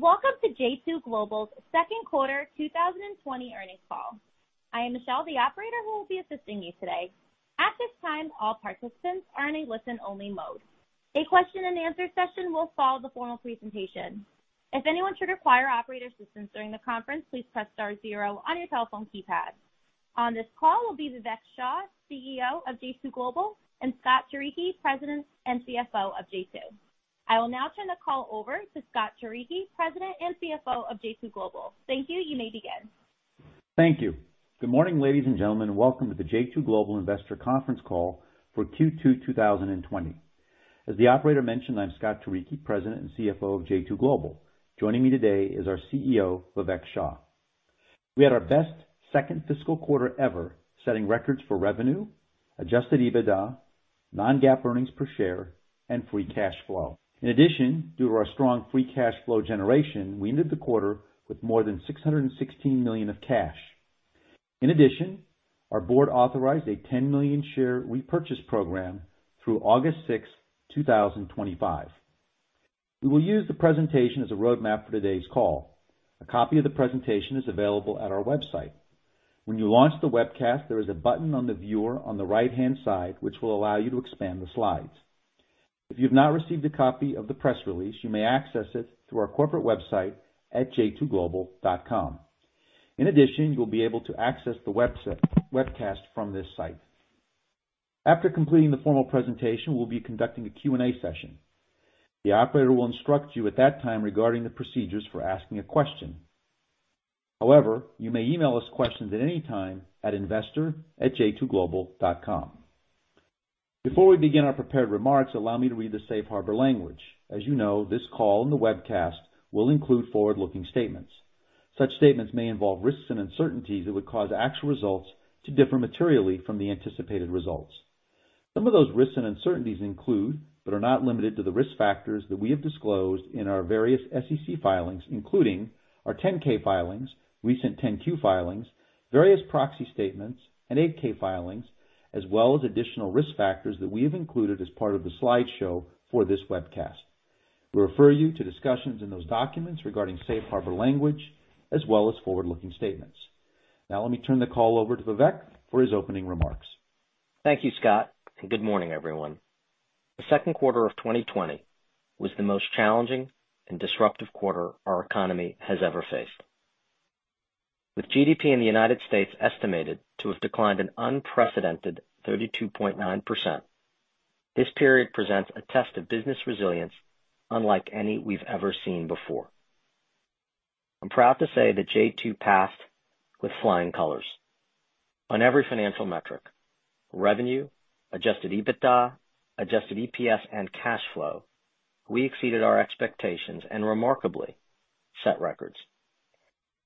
Welcome to J2 Global's second quarter 2020 earnings call. I am Michelle, the operator who will be assisting you today. At this time, all participants are in a listen-only mode. A question and answer session will follow the formal presentation. If anyone should require operator assistance during the conference, please press star zero on your telephone keypad. On this call will be Vivek Shah, CEO of J2 Global, and Scott Turicchi, President and CFO of J2. I will now turn the call over to Scott Turicchi, President and CFO of J2 Global. Thank you. You may begin. Thank you. Good morning, ladies and gentlemen, and welcome to the J2 Global Investor Conference call for Q2 2020. As the operator mentioned, I'm Scott Turicchi, President and CFO of J2 Global. Joining me today is our CEO, Vivek Shah. We had our best second fiscal quarter ever, setting records for revenue, adjusted EBITDA, non-GAAP earnings per share, and free cash flow. In addition, due to our strong free cash flow generation, we ended the quarter with more than $616 million of cash. In addition, our board authorized a 10 million share repurchase program through August 6th, 2025. We will use the presentation as a roadmap for today's call. A copy of the presentation is available at our website. When you launch the webcast, there is a button on the viewer on the right-hand side, which will allow you to expand the slides. If you've not received a copy of the press release, you may access it through our corporate website at j2global.com. In addition, you'll be able to access the webcast from this site. After completing the formal presentation, we'll be conducting a Q&A session. The operator will instruct you at that time regarding the procedures for asking a question. However, you may email us questions at any time at investor@j2global.com. Before we begin our prepared remarks, allow me to read the safe harbor language. As you know, this call and the webcast will include forward-looking statements. Such statements may involve risks and uncertainties that would cause actual results to differ materially from the anticipated results. Some of those risks and uncertainties include, but are not limited to, the risk factors that we have disclosed in our various SEC filings, including our 10-K filings, recent 10-Q filings, various proxy statements, and 8-K filings, as well as additional risk factors that we have included as part of the slideshow for this webcast. We refer you to discussions in those documents regarding safe harbor language, as well as forward-looking statements. Now let me turn the call over to Vivek for his opening remarks. Thank you, Scott. Good morning, everyone. The second quarter of 2020 was the most challenging and disruptive quarter our economy has ever faced. With GDP in the U.S. estimated to have declined an unprecedented 32.9%, this period presents a test of business resilience unlike any we've ever seen before. I'm proud to say that J2 passed with flying colors. On every financial metric, revenue, adjusted EBITDA, adjusted EPS, cash flow, we exceeded our expectations and remarkably set records.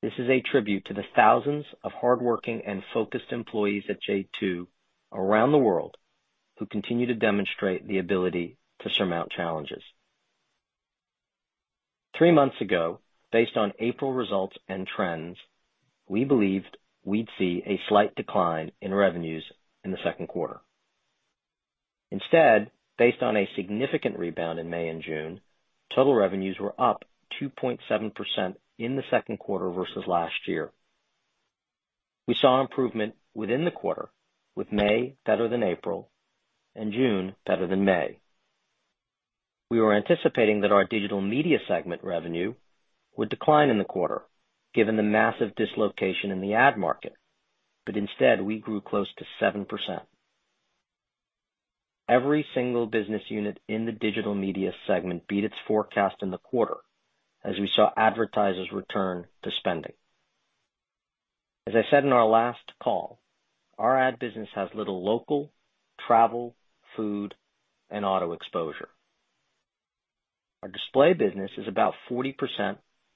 This is a tribute to the thousands of hardworking and focused employees at J2 around the world who continue to demonstrate the ability to surmount challenges. Three months ago, based on April results and trends, we believed we'd see a slight decline in revenues in the second quarter. Based on a significant rebound in May and June, total revenues were up 2.7% in the second quarter versus last year. We saw improvement within the quarter, with May better than April and June better than May. We were anticipating that our Digital Media segment revenue would decline in the quarter, given the massive dislocation in the ad market, instead, we grew close to 7%. Every single business unit in the Digital Media segment beat its forecast in the quarter as we saw advertisers return to spending. As I said in our last call, our ad business has little local, travel, food, and auto exposure. Our display business is about 40%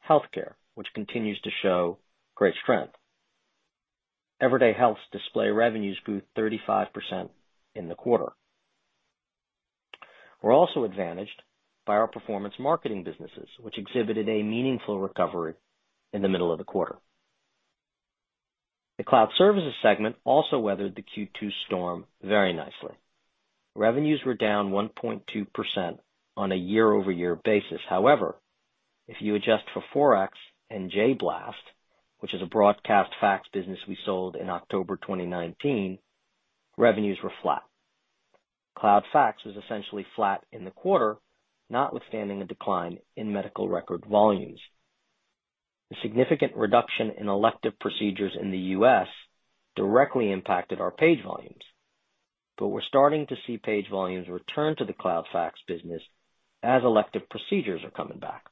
healthcare, which continues to show great strength. Everyday Health's display revenues grew 35% in the quarter. We're also advantaged by our performance marketing businesses, which exhibited a meaningful recovery in the middle of the quarter. The Cloud Services segment also weathered the Q2 storm very nicely. Revenues were down 1.2% on a year-over-year basis. If you adjust for Forex and jBlast, which is a broadcast fax business we sold in October 2019, revenues were flat. Cloud Fax was essentially flat in the quarter, notwithstanding a decline in medical record volumes. The significant reduction in elective procedures in the U.S. directly impacted our page volumes. We're starting to see page volumes return to the Cloud Fax business as elective procedures are coming back.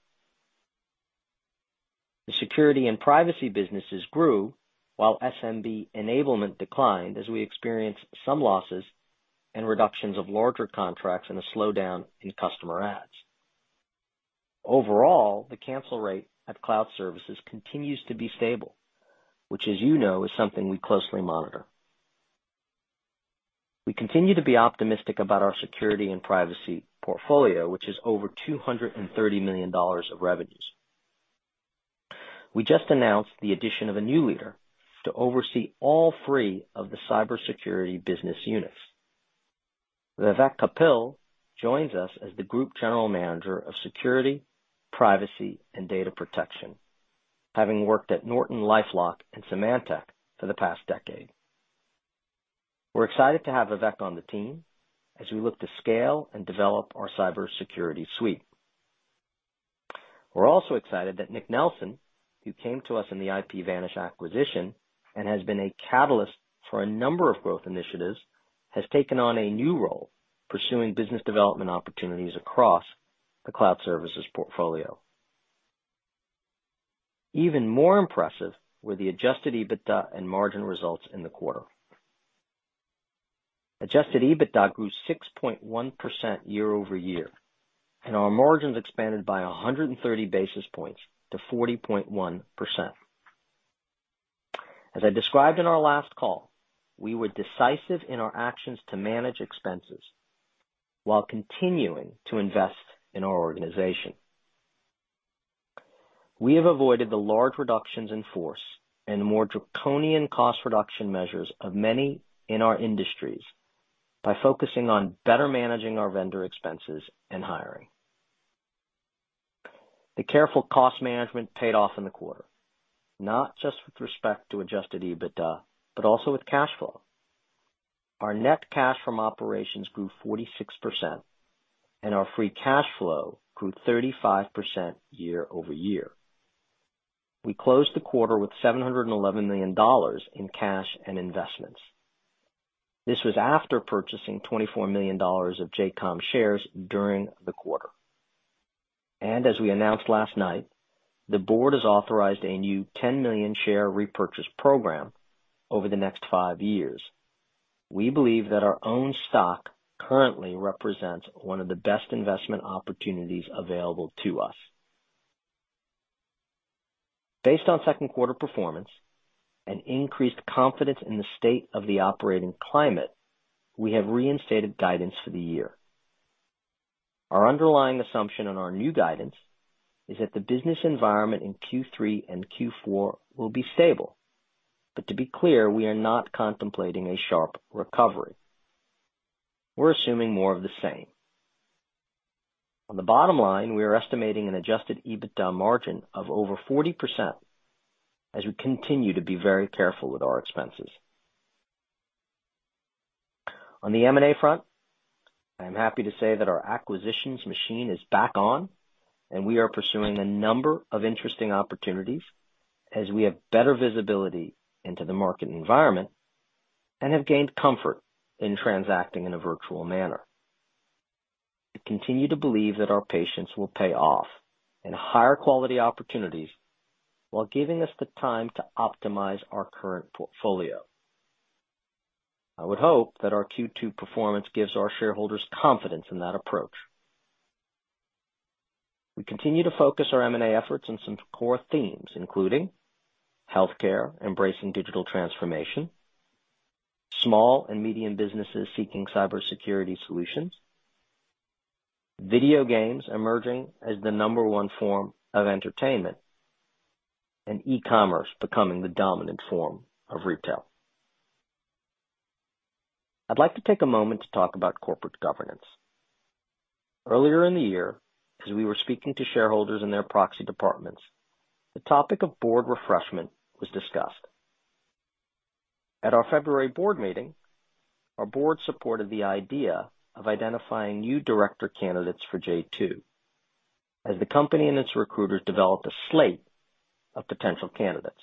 The security and privacy businesses grew while SMB enablement declined as we experienced some losses and reductions of larger contracts and a slowdown in customer adds. Overall, the cancel rate at Cloud Services continues to be stable, which as you know, is something we closely monitor. We continue to be optimistic about our security and privacy portfolio, which is over $230 million of revenues. We just announced the addition of a new leader to oversee all three of the cybersecurity business units. Vivek Kapil joins us as the Group General Manager of security, privacy, and data protection, having worked at Norton, LifeLock, and Symantec for the past decade. We're excited to have Vivek on the team as we look to scale and develop our cybersecurity suite. We're also excited that Nick Nelson, who came to us in the IPVanish acquisition and has been a catalyst for a number of growth initiatives, has taken on a new role pursuing business development opportunities across the Cloud Services portfolio. Even more impressive were the adjusted EBITDA and margin results in the quarter. Adjusted EBITDA grew 6.1% year-over-year, and our margins expanded by 130 basis points to 40.1%. As I described in our last call, we were decisive in our actions to manage expenses while continuing to invest in our organization. We have avoided the large reductions in force and the more draconian cost reduction measures of many in our industries by focusing on better managing our vendor expenses and hiring. The careful cost management paid off in the quarter, not just with respect to adjusted EBITDA, but also with cash flow. Our net cash from operations grew 46%, and our free cash flow grew 35% year-over-year. We closed the quarter with $711 million in cash and investments. This was after purchasing $24 million of JCOM shares during the quarter. As we announced last night, the board has authorized a new 10 million share repurchase program over the next five years. We believe that our own stock currently represents one of the best investment opportunities available to us. Based on second quarter performance and increased confidence in the state of the operating climate, we have reinstated guidance for the year. Our underlying assumption on our new guidance is that the business environment in Q3 and Q4 will be stable. To be clear, we are not contemplating a sharp recovery. We're assuming more of the same. On the bottom line, we are estimating an adjusted EBITDA margin of over 40% as we continue to be very careful with our expenses. On the M&A front, I am happy to say that our acquisitions machine is back on, and we are pursuing a number of interesting opportunities as we have better visibility into the market environment and have gained comfort in transacting in a virtual manner. We continue to believe that our patience will pay off in higher quality opportunities while giving us the time to optimize our current portfolio. I would hope that our Q2 performance gives our shareholders confidence in that approach. We continue to focus our M&A efforts on some core themes, including healthcare embracing digital transformation, small and medium businesses seeking cybersecurity solutions, video games emerging as the number one form of entertainment, and e-commerce becoming the dominant form of retail. I'd like to take a moment to talk about corporate governance. Earlier in the year, as we were speaking to shareholders in their proxy departments, the topic of board refreshment was discussed. At our February board meeting, our board supported the idea of identifying new director candidates for J2 as the company and its recruiters developed a slate of potential candidates.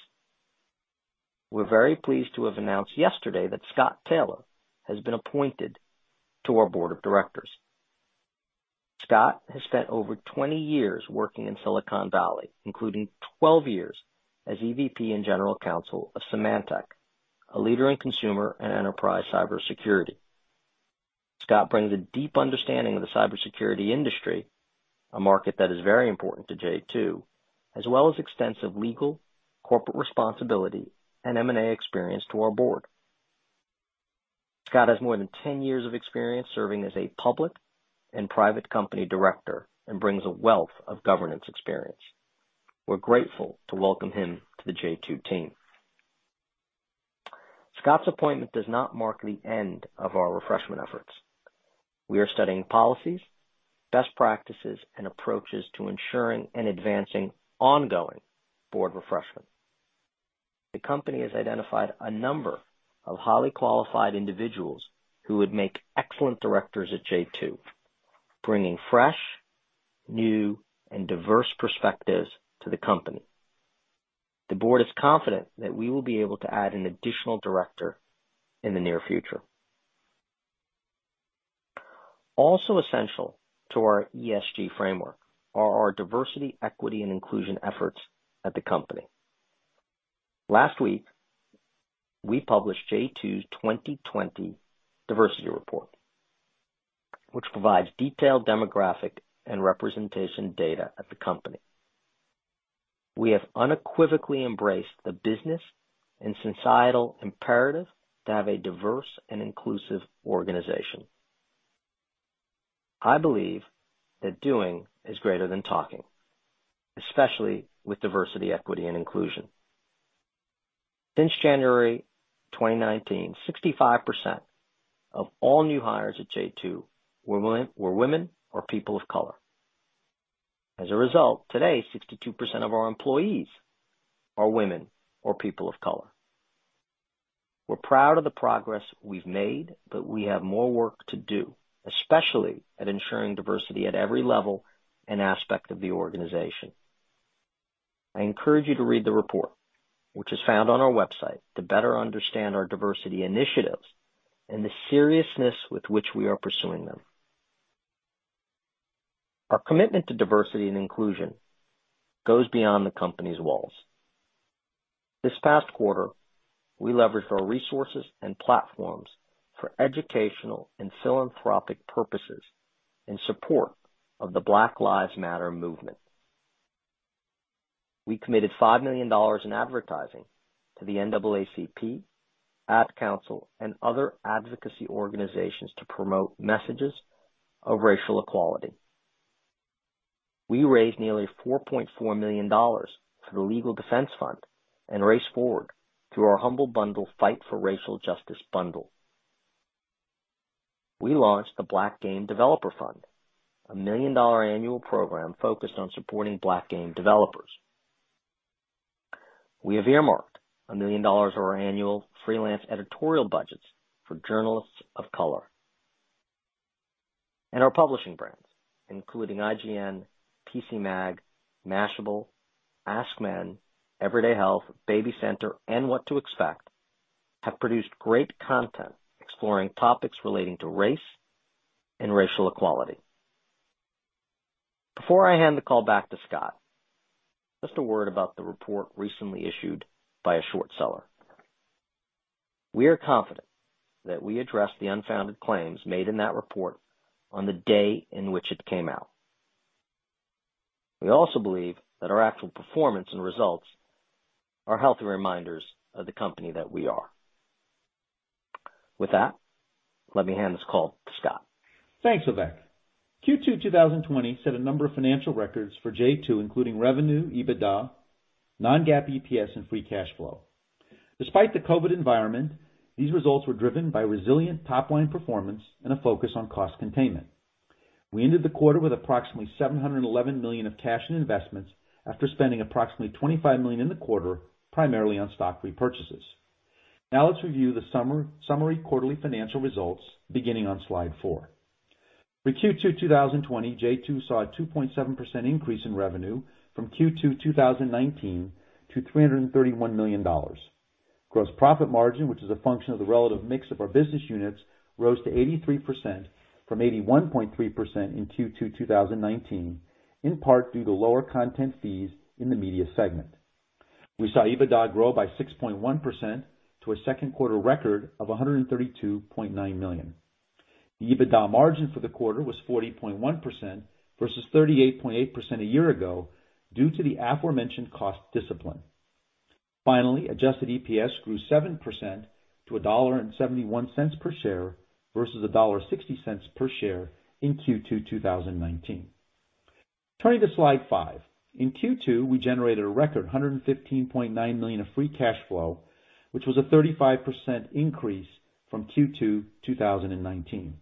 We're very pleased to have announced yesterday that Scott Taylor has been appointed to our board of directors. Scott has spent over 20 years working in Silicon Valley, including 12 years as EVP and General Counsel of Symantec, a leader in consumer and enterprise cybersecurity. Scott brings a deep understanding of the cybersecurity industry, a market that is very important to J2, as well as extensive legal, corporate responsibility, and M&A experience to our board. Scott has more than 10 years of experience serving as a public and private company director and brings a wealth of governance experience. We're grateful to welcome him to the J2 team. Scott's appointment does not mark the end of our refreshment efforts. We are studying policies, best practices, and approaches to ensuring and advancing ongoing board refreshment. The company has identified a number of highly qualified individuals who would make excellent directors at J2, bringing fresh, new, and diverse perspectives to the company. The board is confident that we will be able to add an additional director in the near future. Also essential to our ESG framework are our diversity, equity, and inclusion efforts at the company. Last week, we published J2's 2020 diversity report, which provides detailed demographic and representation data at the company. We have unequivocally embraced the business and societal imperative to have a diverse and inclusive organization. I believe that doing is greater than talking, especially with diversity, equity, and inclusion. Since January 2019, 65% of all new hires at J2 were women or people of color. As a result, today, 62% of our employees are women or people of color. We're proud of the progress we've made, but we have more work to do, especially at ensuring diversity at every level and aspect of the organization. I encourage you to read the report, which is found on our website to better understand our diversity initiatives and the seriousness with which we are pursuing them. Our commitment to diversity and inclusion goes beyond the company's walls. This past quarter, we leveraged our resources and platforms for educational and philanthropic purposes in support of the Black Lives Matter movement. We committed $5 million in advertising to the NAACP, Ad Council, and other advocacy organizations to promote messages of racial equality. We raised nearly $4.4 million for the Legal Defense Fund and Race Forward through our Humble Bundle Fight For Racial Justice Bundle. We launched the Black Game Developer Fund, a million-dollar annual program focused on supporting Black game developers. We have earmarked $1 million of our annual freelance editorial budgets for journalists of color. Our publishing brands, including IGN, PCMag, Mashable, AskMen, Everyday Health, BabyCenter, and What to Expect, have produced great content exploring topics relating to race and racial equality. Before I hand the call back to Scott, just a word about the report recently issued by a short seller. We are confident that we addressed the unfounded claims made in that report on the day in which it came out. We also believe that our actual performance and results are healthy reminders of the company that we are. With that, let me hand this call to Scott. Thanks, Vivek. Q2 2020 set a number of financial records for J2, including revenue, EBITDA, non-GAAP EPS, and free cash flow. Despite the COVID environment, these results were driven by resilient top-line performance and a focus on cost containment. We ended the quarter with approximately $711 million of cash and investments after spending approximately $25 million in the quarter, primarily on stock repurchases. Let's review the summary quarterly financial results beginning on slide four. For Q2 2020, J2 saw a 2.7% increase in revenue from Q2 2019 to $331 million. Gross profit margin, which is a function of the relative mix of our business units, rose to 83% from 81.3% in Q2 2019, in part due to lower content fees in the media segment. We saw EBITDA grow by 6.1% to a second quarter record of $132.9 million. The EBITDA margin for the quarter was 40.1% versus 38.8% a year ago due to the aforementioned cost discipline. Adjusted EPS grew 7% to $1.71 per share versus $1.60 per share in Q2 2019. Turning to slide five. In Q2, we generated a record $115.9 million of free cash flow, which was a 35% increase from Q2 2019.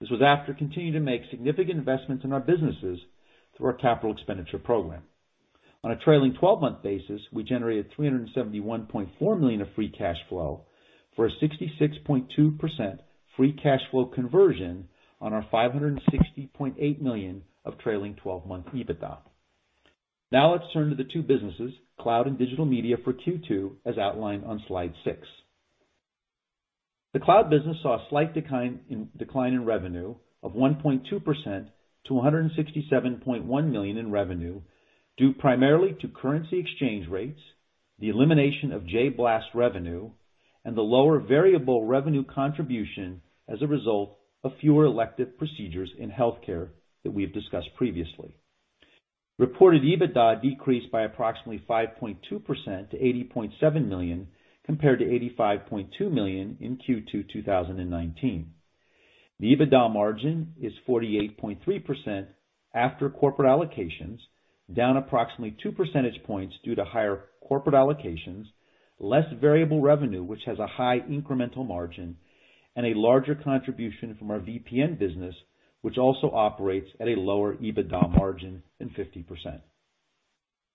This was after continuing to make significant investments in our businesses through our capital expenditure program. On a trailing 12-month basis, we generated $371.4 million of free cash flow for a 66.2% free cash flow conversion on our $560.8 million of trailing 12-month EBITDA. Let's turn to the two businesses, Cloud and Digital Media for Q2, as outlined on slide six. The cloud business saw a slight decline in revenue of 1.2% to $167.1 million in revenue due primarily to currency exchange rates, the elimination of jBlast revenue, and the lower variable revenue contribution as a result of fewer elective procedures in healthcare that we have discussed previously. Reported EBITDA decreased by approximately 5.2% to $80.7 million compared to $85.2 million in Q2 2019. The EBITDA margin is 48.3% after corporate allocations, down approximately two percentage points due to higher corporate allocations, less variable revenue which has a high incremental margin, and a larger contribution from our VPN business, which also operates at a lower EBITDA margin than 50%.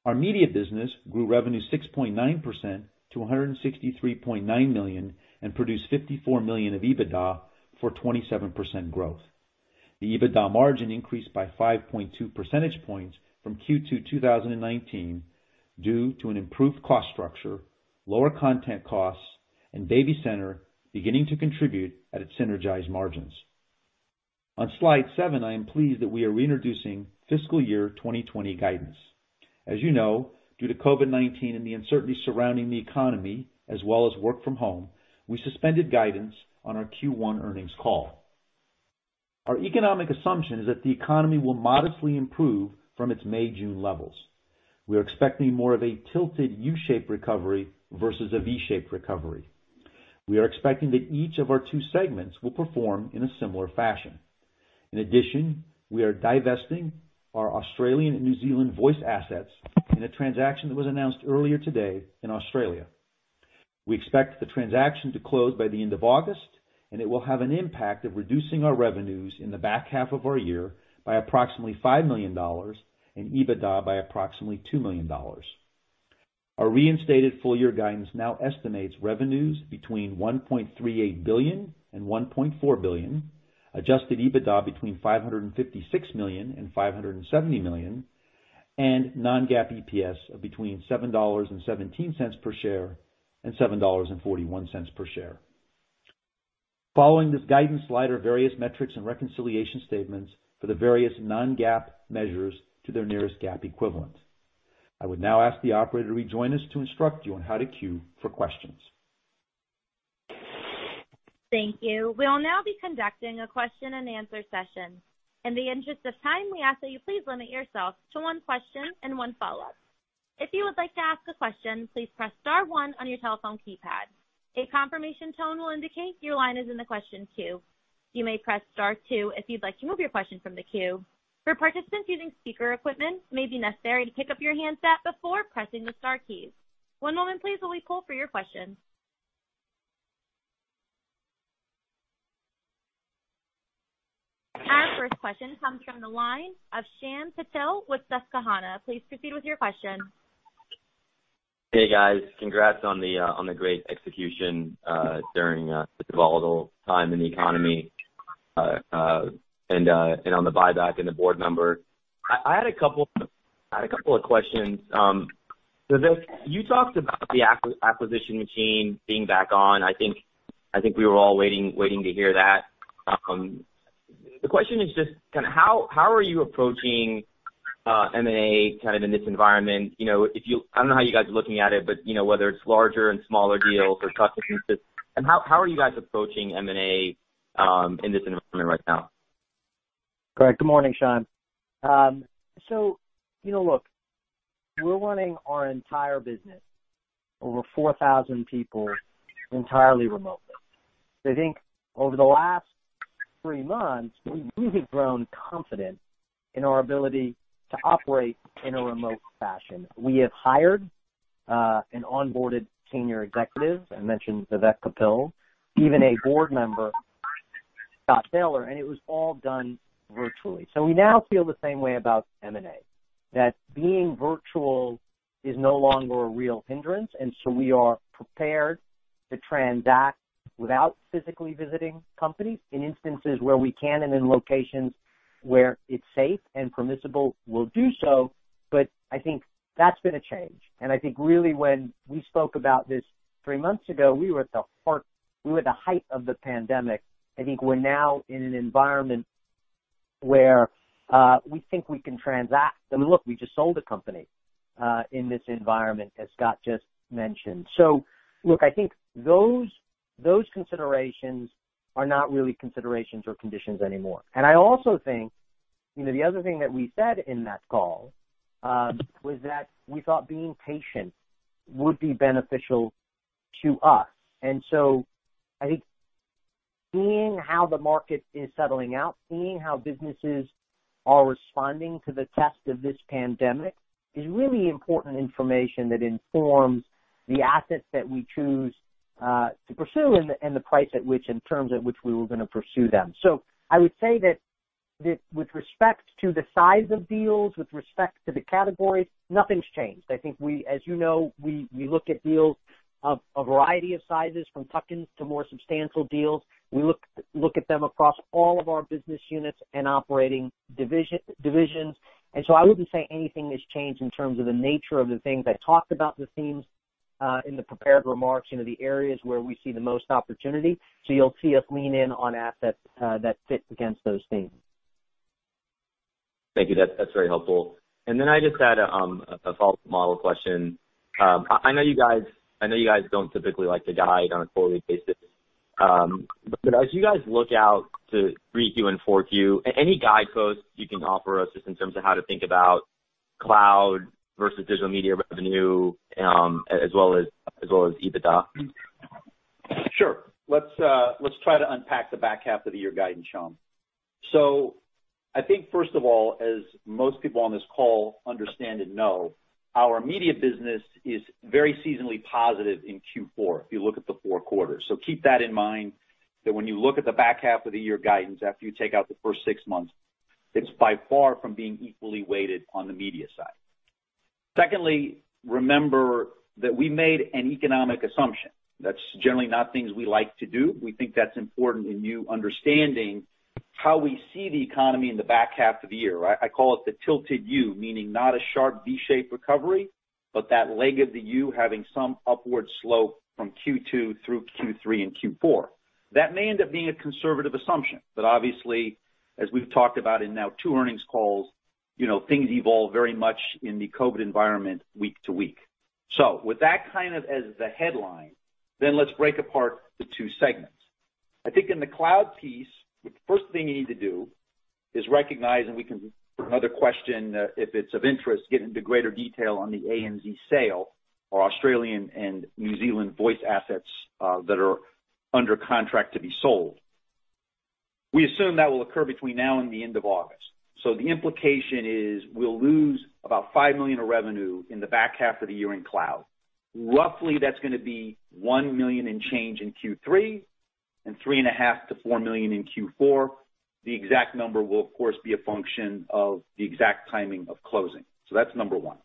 Our media business grew revenue 6.9% to $163.9 million and produced $54 million of EBITDA for 27% growth. The EBITDA margin increased by 5.2 percentage points from Q2 2019 due to an improved cost structure, lower content costs, and BabyCenter beginning to contribute at its synergized margins. On slide seven, I am pleased that we are reintroducing fiscal year 2020 guidance. As you know, due to COVID-19 and the uncertainty surrounding the economy as well as work from home, we suspended guidance on our Q1 earnings call. Our economic assumption is that the economy will modestly improve from its May, June levels. We are expecting more of a tilted U-shaped recovery versus a V-shaped recovery. We are expecting that each of our two segments will perform in a similar fashion. In addition, we are divesting our Australian and New Zealand voice assets in a transaction that was announced earlier today in Australia. We expect the transaction to close by the end of August, and it will have an impact of reducing our revenues in the back half of our year by approximately $5 million, and EBITDA by approximately $2 million. Our reinstated full year guidance now estimates revenues between $1.38 billion and $1.4 billion, adjusted EBITDA between $556 million and $570 million, and non-GAAP EPS of between $7.17 per share and $7.41 per share. Following this guidance slide are various metrics and reconciliation statements for the various non-GAAP measures to their nearest GAAP equivalent. I would now ask the operator to rejoin us to instruct you on how to queue for questions. Thank you. We will now be conducting a question and answer session. In the interest of time, we ask that you please limit yourself to one question and one follow-up. If you would like to ask a question, please press star one on your telephone keypad. A confirmation tone will indicate your line is in the question queue. You may press star two if you'd like to move your question from the queue. For participants using speaker equipment, it may be necessary to pick up your handset before pressing the star keys. One moment please while we pull for your question. Our first question comes from the line of Shyam Patil with Susquehanna. Please proceed with your question. Hey, guys. Congrats on the great execution during such a volatile time in the economy, and on the buyback and the board member. I had a couple of questions. You talked about the acquisition machine being back on. I think we were all waiting to hear that. The question is just how are you approaching M&A in this environment? I don't know how you guys are looking at it, but whether it's larger and smaller deals or tuck-ins. How are you guys approaching M&A in this environment right now? Good morning, Shyam. Look, we're running our entire business, over 4,000 people, entirely remotely. I think over the last three months, we've really grown confident in our ability to operate in a remote fashion. We have hired and onboarded senior executives. I mentioned Vivek Kapil, even a board member, Scott Taylor, it was all done virtually. We now feel the same way about M&A, that being virtual is no longer a real hindrance, we are prepared to transact without physically visiting companies. In instances where we can and in locations where it's safe and permissible, we'll do so. I think that's been a change. I think really when we spoke about this three months ago, we were at the height of the pandemic. I think we're now in an environment where we think we can transact. I mean, look, we just sold a company in this environment, as Scott just mentioned. Look, I think those considerations are not really considerations or conditions anymore. I also think the other thing that we said in that call was that we thought being patient would be beneficial to us. I think seeing how the market is settling out, seeing how businesses are responding to the test of this pandemic is really important information that informs the assets that we choose to pursue and the price at which and terms at which we were going to pursue them. I would say that with respect to the size of deals, with respect to the categories, nothing's changed. I think as you know, we look at deals of a variety of sizes, from tuck-ins to more substantial deals. We look at them across all of our business units and operating divisions. I wouldn't say anything has changed in terms of the nature of the things. I talked about the themes in the prepared remarks, the areas where we see the most opportunity. You'll see us lean in on assets that fit against those themes. Thank you. That's very helpful. I just had a follow-up model question. I know you guys don't typically like to guide on a quarterly basis. As you guys look out to 3Q and 4Q, any guide posts you can offer us just in terms of how to think about cloud versus digital media revenue, as well as EBITDA? Sure. Let's try to unpack the back half of the year guidance, Shyam. I think first of all, as most people on this call understand and know, our media business is very seasonally positive in Q4 if you look at the four quarters. Keep that in mind that when you look at the back half of the year guidance, after you take out the first six months, it's by far from being equally weighted on the media side. Secondly, remember that we made an economic assumption. That's generally not things we like to do. We think that's important in you understanding how we see the economy in the back half of the year. I call it the tilted U, meaning not a sharp V-shaped recovery, but that leg of the U having some upward slope from Q2 through Q3 and Q4. That may end up being a conservative assumption. Obviously, as we've talked about in now two earnings calls, things evolve very much in the COVID environment week to week. With that kind of as the headline, let's break apart the two segments. I think in the Cloud piece, the first thing you need to do is recognize, and we can, for another question, if it's of interest, get into greater detail on the ANZ sale, our Australian and New Zealand voice assets that are under contract to be sold. We assume that will occur between now and the end of August. The implication is we'll lose about $5 million of revenue in the back half of the year in Cloud. Roughly, that's going to be $1 million and change in Q3 and $3.5 million-$4 million in Q4. The exact number will, of course, be a function of the exact timing of closing. That's number one.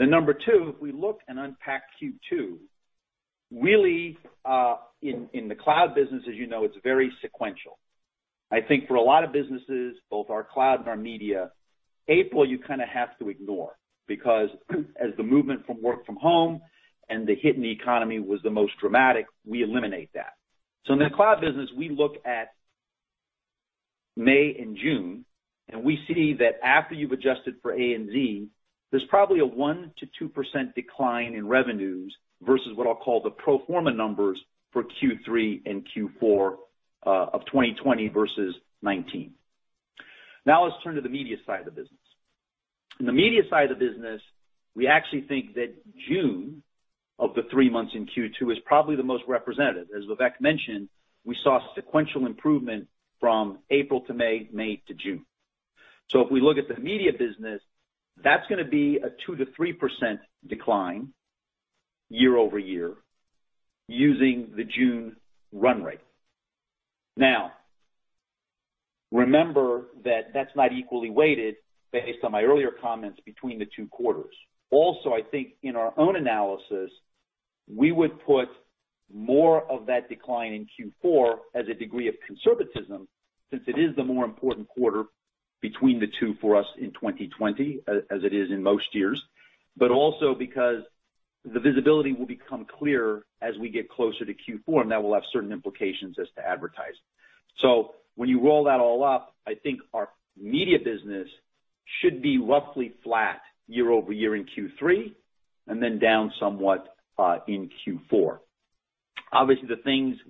Number two, if we look and unpack Q2, really, in the Cloud Services business, as you know, it's very sequential. I think for a lot of businesses, both our Cloud Services and our Digital Media, April, you kind of have to ignore because as the movement from work from home and the hit in the economy was the most dramatic, we eliminate that. In the Cloud Services business, we look at May and June, and we see that after you've adjusted for ANZ, there's probably a 1%-2% decline in revenues versus what I'll call the pro forma numbers for Q3 and Q4 of 2020 versus 2019. Let's turn to the Digital Media side of the business. In the media side of the business, we actually think that June of the three months in Q2 is probably the most representative. As Vivek mentioned, we saw sequential improvement from April to May to June. If we look at the media business, that's going to be a 2%-3% decline year-over-year using the June run rate. Remember that that's not equally weighted based on my earlier comments between the two quarters. I think in our own analysis, we would put more of that decline in Q4 as a degree of conservatism since it is the more important quarter between the two for us in 2020, as it is in most years, but also because the visibility will become clearer as we get closer to Q4, and that will have certain implications as to advertising. When you roll that all up, I think our media business should be roughly flat year-over-year in Q3 and then down somewhat in Q4. Obviously,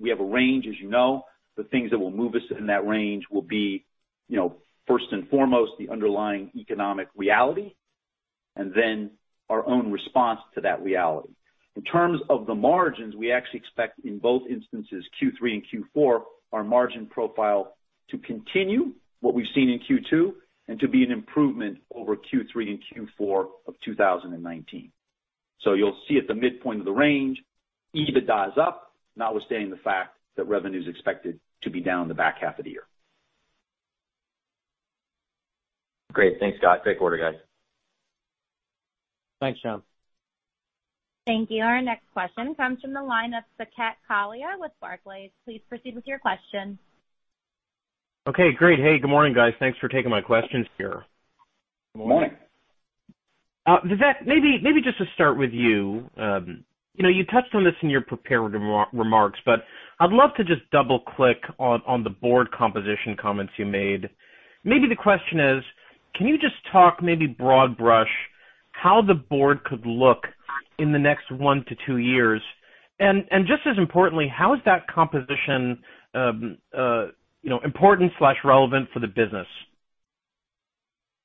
we have a range, as you know. The things that will move us in that range will be first and foremost, the underlying economic reality, and then our own response to that reality. In terms of the margins, we actually expect in both instances, Q3 and Q4, our margin profile to continue what we've seen in Q2 and to be an improvement over Q3 and Q4 of 2019. You'll see at the midpoint of the range, EBITDA is up, notwithstanding the fact that revenue is expected to be down in the back half of the year. Great. Thanks, Scott. Great quarter, guys. Thanks, Shyam. Thank you. Our next question comes from the line of Saket Kalia with Barclays. Please proceed with your question. Okay, great. Hey, good morning, guys. Thanks for taking my questions here. Good morning. Vivek, maybe just to start with you. You touched on this in your prepared remarks, but I'd love to just double-click on the board composition comments you made. Maybe the question is, can you just talk maybe broad brush how the board could look in the next one to two years? Just as importantly, how is that composition important/relevant for the business? Yeah.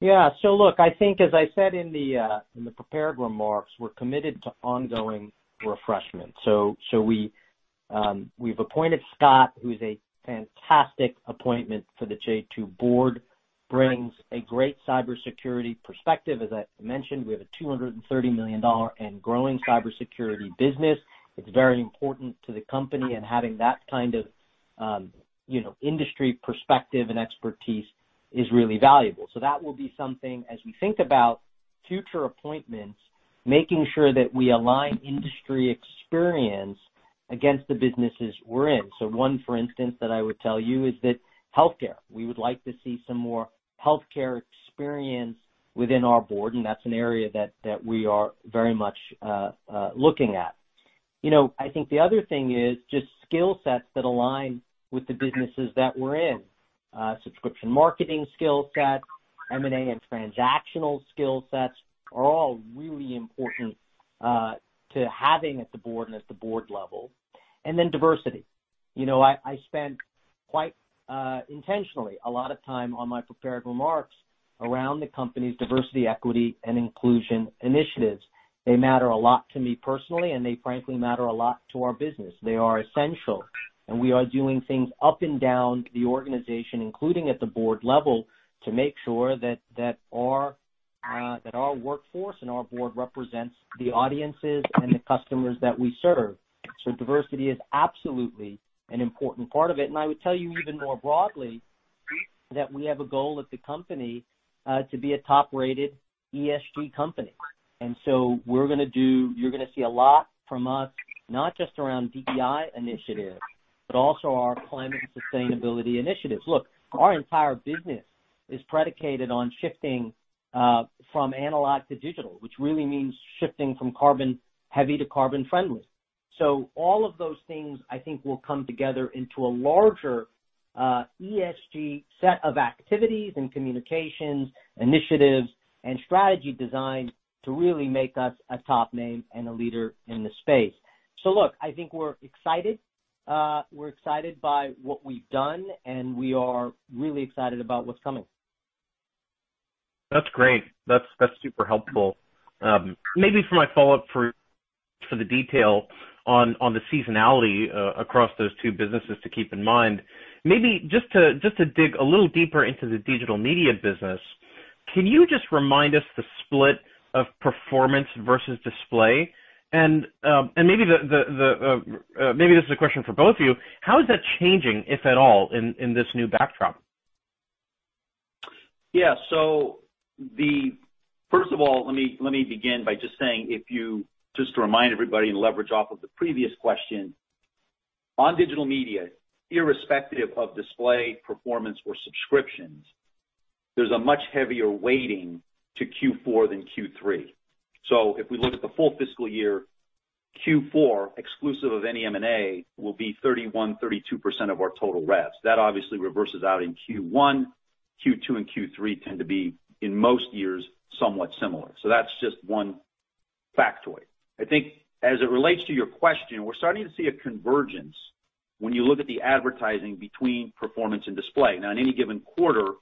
Look, I think as I said in the prepared remarks, we're committed to ongoing refreshment. We've appointed Scott, who's a fantastic appointment for the J2 board, brings a great cybersecurity perspective. As I mentioned, we have a $230 million and growing cybersecurity business. It's very important to the company and having that kind of industry perspective and expertise is really valuable. That will be something as we think about future appointments, making sure that we align industry experience against the businesses we're in. One, for instance, that I would tell you is that healthcare. We would like to see some more healthcare experience within our board, and that's an area that we are very much looking at. I think the other thing is just skill sets that align with the businesses that we're in. Subscription marketing skill sets, M&A and transactional skill sets are all really important to having at the board and at the board level. Diversity. I spent quite intentionally a lot of time on my prepared remarks around the company's Diversity, Equity, and Inclusion initiatives. They matter a lot to me personally, and they frankly matter a lot to our business. They are essential, and we are doing things up and down the organization, including at the board level, to make sure that our workforce and our board represents the audiences and the customers that we serve. Diversity is absolutely an important part of it. I would tell you even more broadly that we have a goal at the company to be a top-rated ESG company. You're going to see a lot from us, not just around DEI initiatives, but also our climate and sustainability initiatives. Look, our entire business is predicated on shifting from analog to digital, which really means shifting from carbon heavy to carbon friendly. All of those things I think will come together into a larger ESG set of activities and communications initiatives and strategy design to really make us a top name and a leader in the space. Look, I think we're excited. We're excited by what we've done, and we are really excited about what's coming. That's great. That's super helpful. Maybe for my follow-up for the detail on the seasonality across those two businesses to keep in mind, maybe just to dig a little deeper into the Digital Media business, can you just remind us the split of performance versus display? Maybe this is a question for both of you, how is that changing, if at all, in this new backdrop? First of all, let me begin by just saying, just to remind everybody and leverage off of the previous question, on Digital Media, irrespective of display, performance, or subscriptions, there's a much heavier weighting to Q4 than Q3. If we look at the full fiscal year, Q4, exclusive of any M&A, will be 31%, 32% of our total revs. That obviously reverses out in Q1. Q2 and Q3 tend to be, in most years, somewhat similar. That's just one factoid. I think as it relates to your question, we're starting to see a convergence when you look at the advertising between performance and display. Now, in any given quarter,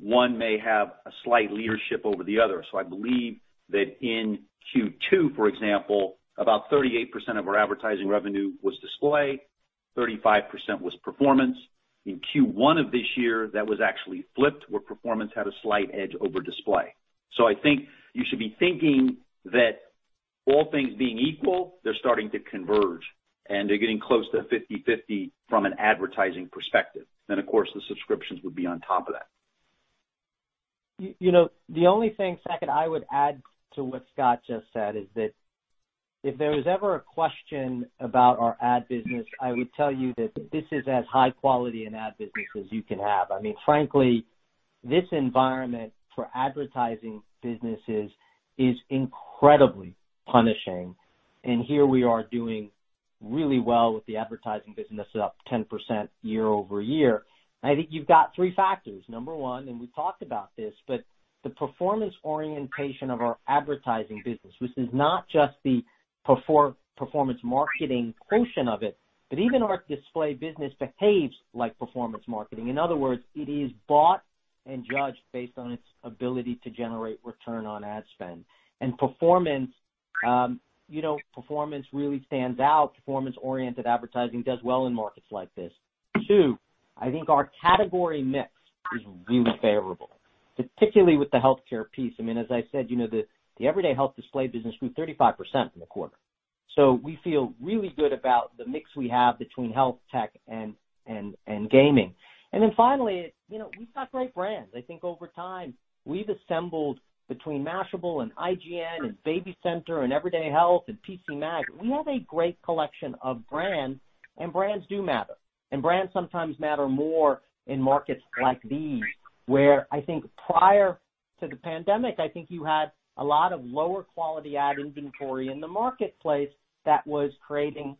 one may have a slight leadership over the other. I believe that in Q2, for example, about 38% of our advertising revenue was display, 35% was performance. In Q1 of this year, that was actually flipped, where performance had a slight edge over display. I think you should be thinking that all things being equal, they're starting to converge, and they're getting close to 50/50 from an advertising perspective. Of course, the subscriptions would be on top of that. The only thing, Saket, I would add to what Scott just said is that if there was ever a question about our ad business, I would tell you that this is as high quality an ad business as you can have. Frankly, this environment for advertising businesses is incredibly punishing, and here we are doing really well with the advertising business. It's up 10% year-over-year. I think you've got three factors. Number one, and we talked about this, but the performance orientation of our advertising business, which is not just the performance marketing portion of it, but even our display business behaves like performance marketing. In other words, it is bought and judged based on its ability to generate return on ad spend. Performance really stands out. Performance-oriented advertising does well in markets like this. Two, I think our category mix is really favorable, particularly with the healthcare piece. As I said, the Everyday Health display business grew 35% in the quarter. We feel really good about the mix we have between health tech and gaming. Finally, we've got great brands. I think over time, we've assembled between Mashable and IGN and BabyCenter and Everyday Health and PCMag. We have a great collection of brands do matter. Brands sometimes matter more in markets like these, where I think prior to the pandemic, I think you had a lot of lower quality ad inventory in the marketplace that was creating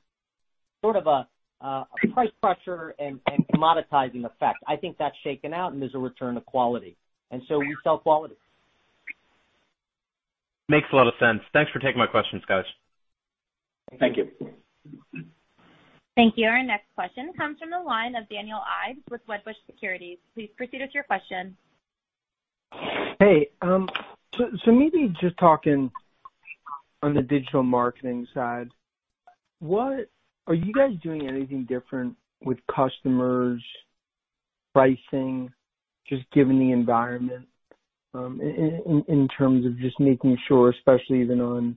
sort of a price pressure and commoditizing effect. I think that's shaken out and there's a return of quality. We sell quality. Makes a lot of sense. Thanks for taking my questions, guys. Thank you. Thank you. Thank you. Our next question comes from the line of Daniel Ives with Wedbush Securities. Please proceed with your question. Hey. Maybe just talking on the digital marketing side, are you guys doing anything different with customers, pricing, just given the environment, in terms of just making sure, especially even on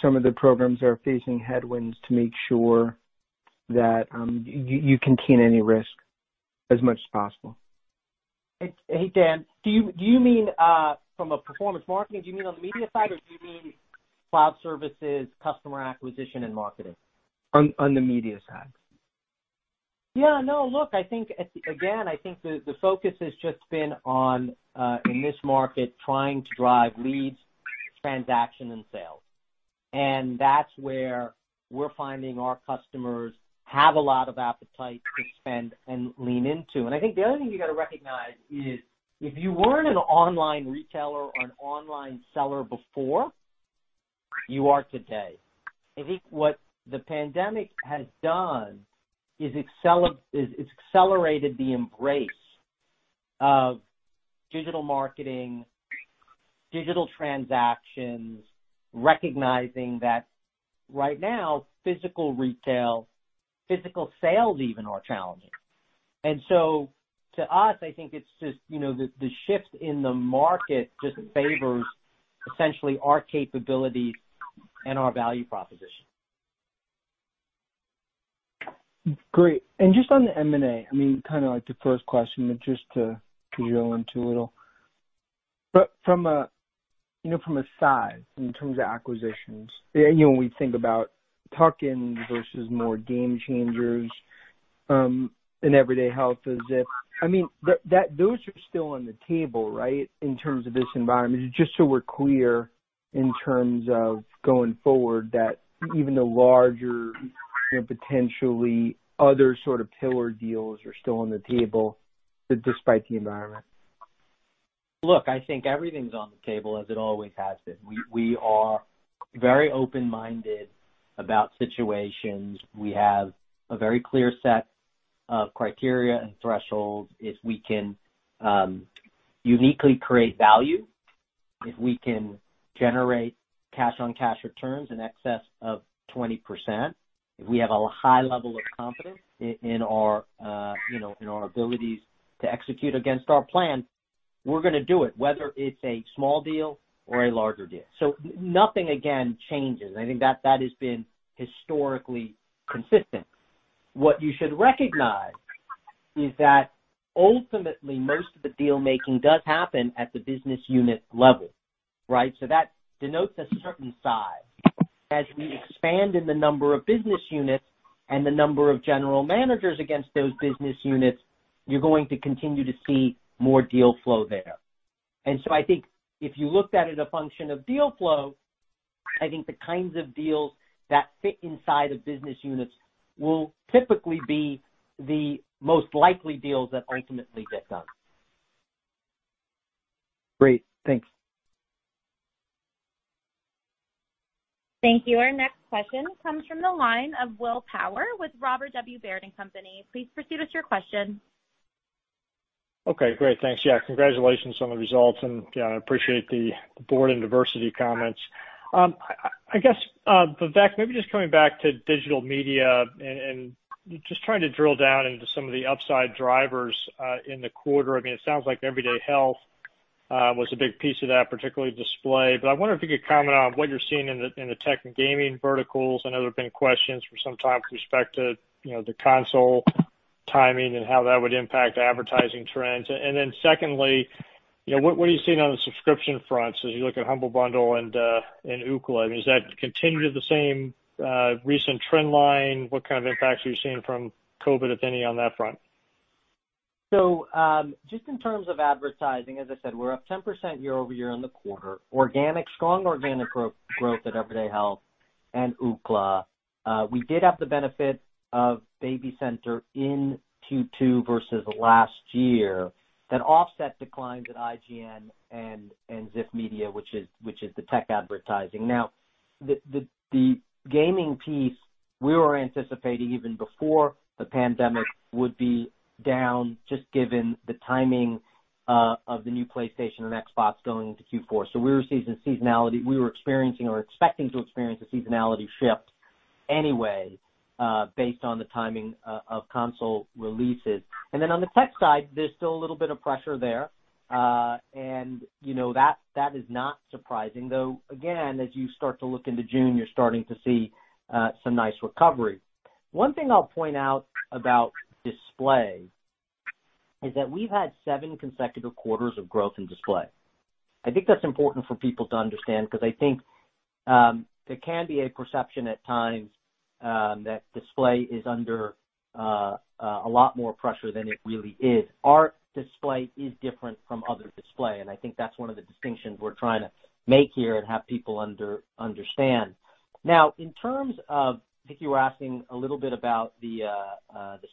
some of the programs that are facing headwinds, to make sure that you contain any risk as much as possible? Hey, Dan. From a performance marketing, do you mean on the Media side, or do you mean Cloud Services, customer acquisition, and marketing? On the media side. No, look, again, I think the focus has just been on, in this market, trying to drive leads, transactions, and sales. That's where we're finding our customers have a lot of appetite to spend and lean into. I think the other thing you got to recognize is if you weren't an online retailer or an online seller before, you are today. I think what the pandemic has done is it's accelerated the embrace of digital marketing, digital transactions, recognizing that right now, physical retail, physical sales even, are challenging. To us, I think the shift in the market just favors essentially our capabilities and our value proposition. Great. Just on the M&A, kind of like the first question, just to drill into a little. From a size, in terms of acquisitions, when we think about tuck-ins versus more game changers in Everyday Health, those are still on the table, right, in terms of this environment, just so we're clear? In terms of going forward, that even the larger, potentially other sort of pillar deals are still on the table despite the environment. I think everything's on the table as it always has been. We are very open-minded about situations. We have a very clear set of criteria and thresholds. If we can uniquely create value, if we can generate cash on cash returns in excess of 20%, if we have a high level of confidence in our abilities to execute against our plan, we're going to do it, whether it's a small deal or a larger deal. Nothing, again, changes. I think that has been historically consistent. What you should recognize is that ultimately, most of the deal-making does happen at the business unit level. That denotes a certain size. As we expand in the number of business units and the number of general managers against those business units, you're going to continue to see more deal flow there. I think if you looked at it a function of deal flow, I think the kinds of deals that fit inside of business units will typically be the most likely deals that ultimately get done. Great. Thanks. Thank you. Our next question comes from the line of Will Power with Robert W. Baird & Company. Please proceed with your question. Okay, great. Thanks. Congratulations on the results, I appreciate the board and diversity comments. Vivek, maybe just coming back to Digital Media and just trying to drill down into some of the upside drivers, in the quarter. I mean, it sounds like Everyday Health was a big piece of that, particularly display. I wonder if you could comment on what you're seeing in the tech and gaming verticals. I know there have been questions for some time with respect to the console timing and how that would impact advertising trends. Secondly, what are you seeing on the subscription fronts as you look at Humble Bundle and Ookla? I mean, does that continue the same recent trend line? What kind of impacts are you seeing from COVID, if any, on that front? Just in terms of advertising, as I said, we're up 10% year-over-year on the quarter. Strong organic growth at Everyday Health and Ookla. We did have the benefit of BabyCenter in Q2 versus last year that offset declines at IGN and Ziff Davis, which is the tech advertising. The gaming piece we were anticipating even before the pandemic would be down, just given the timing of the new PlayStation and Xbox going into Q4. We were seeing seasonality. We were experiencing or expecting to experience a seasonality shift anyway, based on the timing of console releases. On the tech side, there's still a little bit of pressure there. That is not surprising, though, again, as you start to look into June, you're starting to see some nice recovery. One thing I'll point out about display is that we've had seven consecutive quarters of growth in display. I think that's important for people to understand because I think there can be a perception at times that display is under a lot more pressure than it really is. Our display is different from other display. I think that's one of the distinctions we're trying to make here and have people understand. Now, in terms of, I think you were asking a little bit about the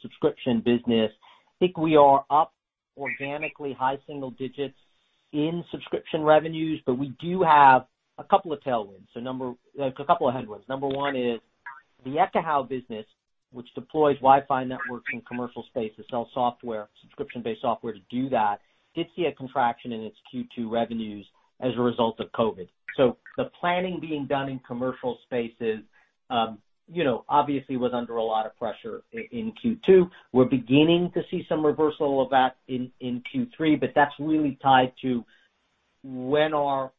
subscription business. I think we are up organically high single digits in subscription revenues. We do have a couple of headwinds. Number one is the Ekahau business, which deploys Wi-Fi networks in commercial space to sell software, subscription-based software to do that, did see a contraction in its Q2 revenues as a result of COVID. The planning being done in commercial spaces obviously was under a lot of pressure in Q2. We're beginning to see some reversal of that in Q3, but that's really tied to when are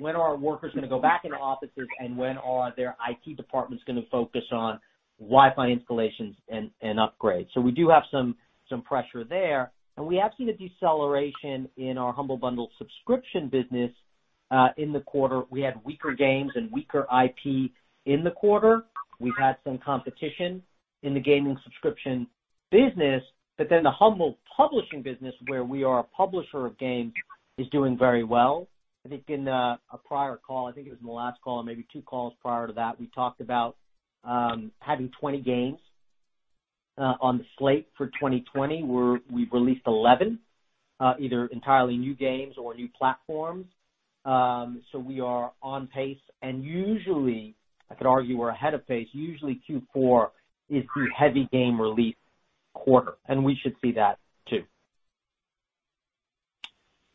workers going to go back into offices and when are their IT departments going to focus on Wi-Fi installations and upgrades. We do have some pressure there. We have seen a deceleration in our Humble Bundle subscription business in the quarter. We had weaker games and weaker IP in the quarter. We've had some competition in the gaming subscription business. The Humble publishing business, where we are a publisher of games, is doing very well. I think in a prior call, I think it was in the last call or maybe two calls prior to that, we talked about having 20 games on the slate for 2020. We've released 11, either entirely new games or new platforms. We are on pace, and usually I could argue we're ahead of pace. Usually Q4 is the heavy game release quarter, and we should see that too.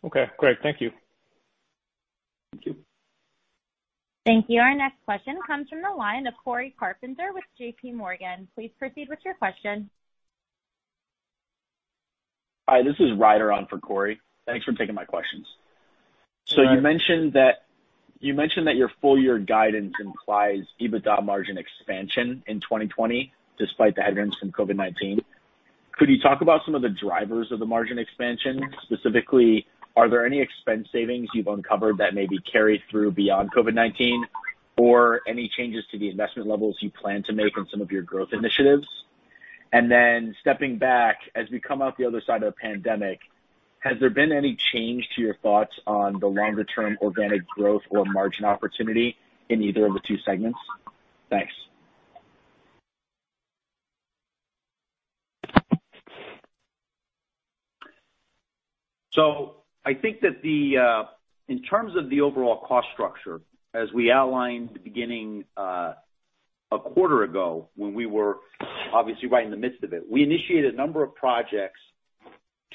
Okay, great. Thank you. Thank you. Thank you. Our next question comes from the line of Cory Carpenter with JPMorgan. Please proceed with your question. Hi, this is Ryder on for Cory. Thanks for taking my questions. Right. You mentioned that your full year guidance implies EBITDA margin expansion in 2020 despite the headwinds from COVID-19. Could you talk about some of the drivers of the margin expansion? Specifically, are there any expense savings you've uncovered that may be carried through beyond COVID-19 or any changes to the investment levels you plan to make in some of your growth initiatives? Stepping back as we come out the other side of the pandemic, has there been any change to your thoughts on the longer-term organic growth or margin opportunity in either of the two segments? Thanks. I think that in terms of the overall cost structure, as we outlined at the beginning a quarter ago, when we were obviously right in the midst of it, we initiated a number of projects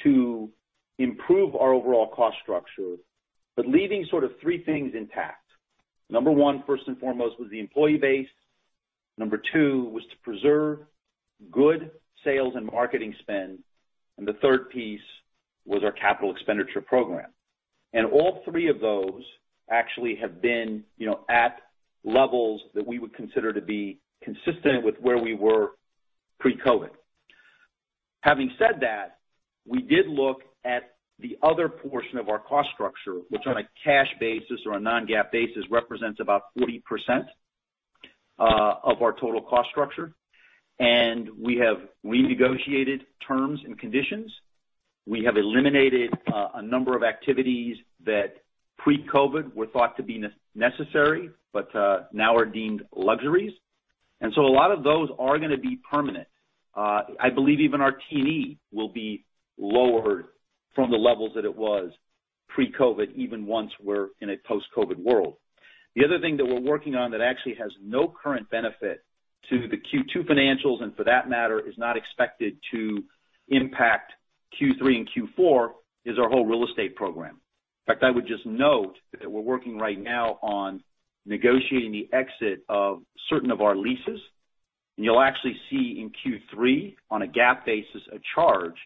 to improve our overall cost structure, but leaving sort of three things intact. Number one, first and foremost, was the employee base. Number two was to preserve good sales and marketing spend. The third piece was our capital expenditure program. All three of those actually have been at levels that we would consider to be consistent with where we were pre-COVID. Having said that, we did look at the other portion of our cost structure, which on a cash basis or a non-GAAP basis, represents about 40% of our total cost structure. We have renegotiated terms and conditions. We have eliminated a number of activities that pre-COVID were thought to be necessary, now are deemed luxuries. A lot of those are going to be permanent. I believe even our T&E will be lowered from the levels that it was pre-COVID, even once we're in a post-COVID world. The other thing that we're working on that actually has no current benefit to the Q2 financials, and for that matter, is not expected to impact Q3 and Q4, is our whole real estate program. In fact, I would just note that we're working right now on negotiating the exit of certain of our leases. You'll actually see in Q3 on a GAAP basis, a charge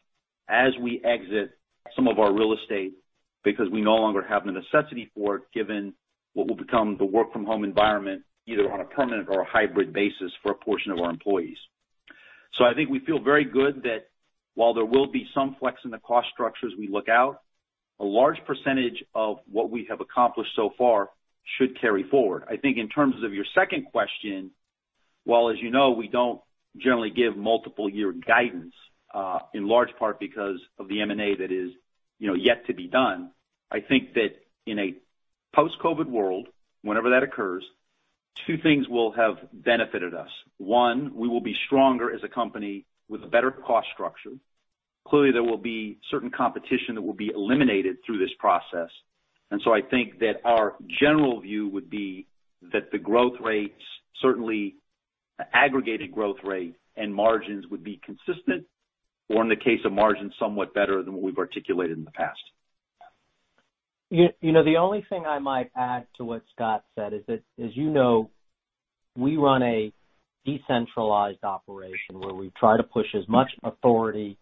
as we exit some of our real estate because we no longer have the necessity for it, given what will become the work-from-home environment, either on a permanent or a hybrid basis for a portion of our employees. I think we feel very good that while there will be some flex in the cost structure as we look out, a large percentage of what we have accomplished so far should carry forward. I think in terms of your second question, while, as you know, we don't generally give multiple-year guidance, in large part because of the M&A that is yet to be done, I think that in a post-COVID world, whenever that occurs, two things will have benefited us. One, we will be stronger as a company with a better cost structure. Clearly, there will be certain competition that will be eliminated through this process. I think that our general view would be that the growth rates, certainly aggregated growth rate and margins would be consistent, or in the case of margins, somewhat better than what we've articulated in the past. The only thing I might add to what Scott said is that, as you know, we run a decentralized operation where we try to push as much authority,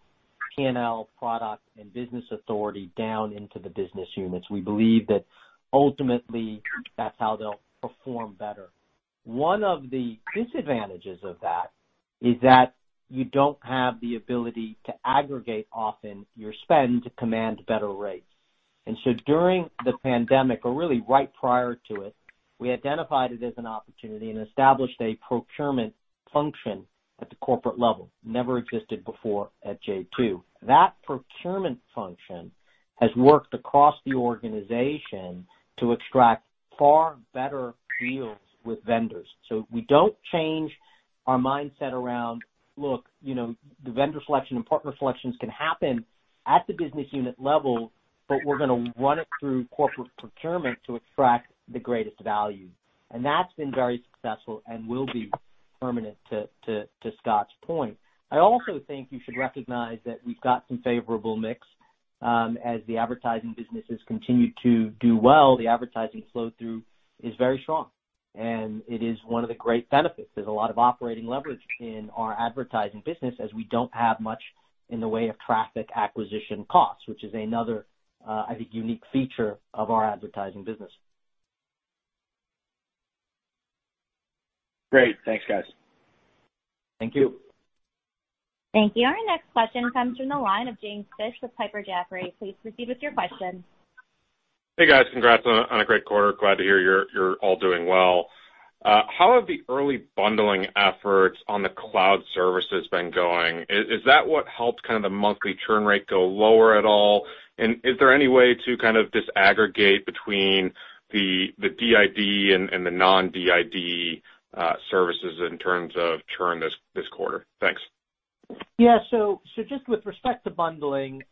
P&L, product, and business authority down into the business units. We believe that ultimately, that's how they'll perform better. One of the disadvantages of that is that you don't have the ability to aggregate often your spend to command better rates. During the pandemic, or really right prior to it, we identified it as an opportunity and established a procurement function at the corporate level. Never existed before at J2. That procurement function has worked across the organization to extract far better deals with vendors. We don't change our mindset around, look, the vendor selection and partner selections can happen at the business unit level, but we're going to run it through corporate procurement to extract the greatest value. That's been very successful and will be permanent, to Scott's point. I also think you should recognize that we've got some favorable mix. As the advertising businesses continue to do well, the advertising flow-through is very strong, and it is one of the great benefits. There's a lot of operating leverage in our advertising business as we don't have much in the way of traffic acquisition costs, which is another I think, unique feature of our advertising business. Great. Thanks, guys. Thank you. Thank you. Our next question comes from the line of James Fish with Piper Sandler. Please proceed with your question. Hey, guys. Congrats on a great quarter. Glad to hear you're all doing well. How have the early bundling efforts on the Cloud Services been going? Is that what helped the monthly churn rate go lower at all? Is there any way to disaggregate between the DID and the non-DID services in terms of churn this quarter? Thanks. Yeah. Just with respect to bundling,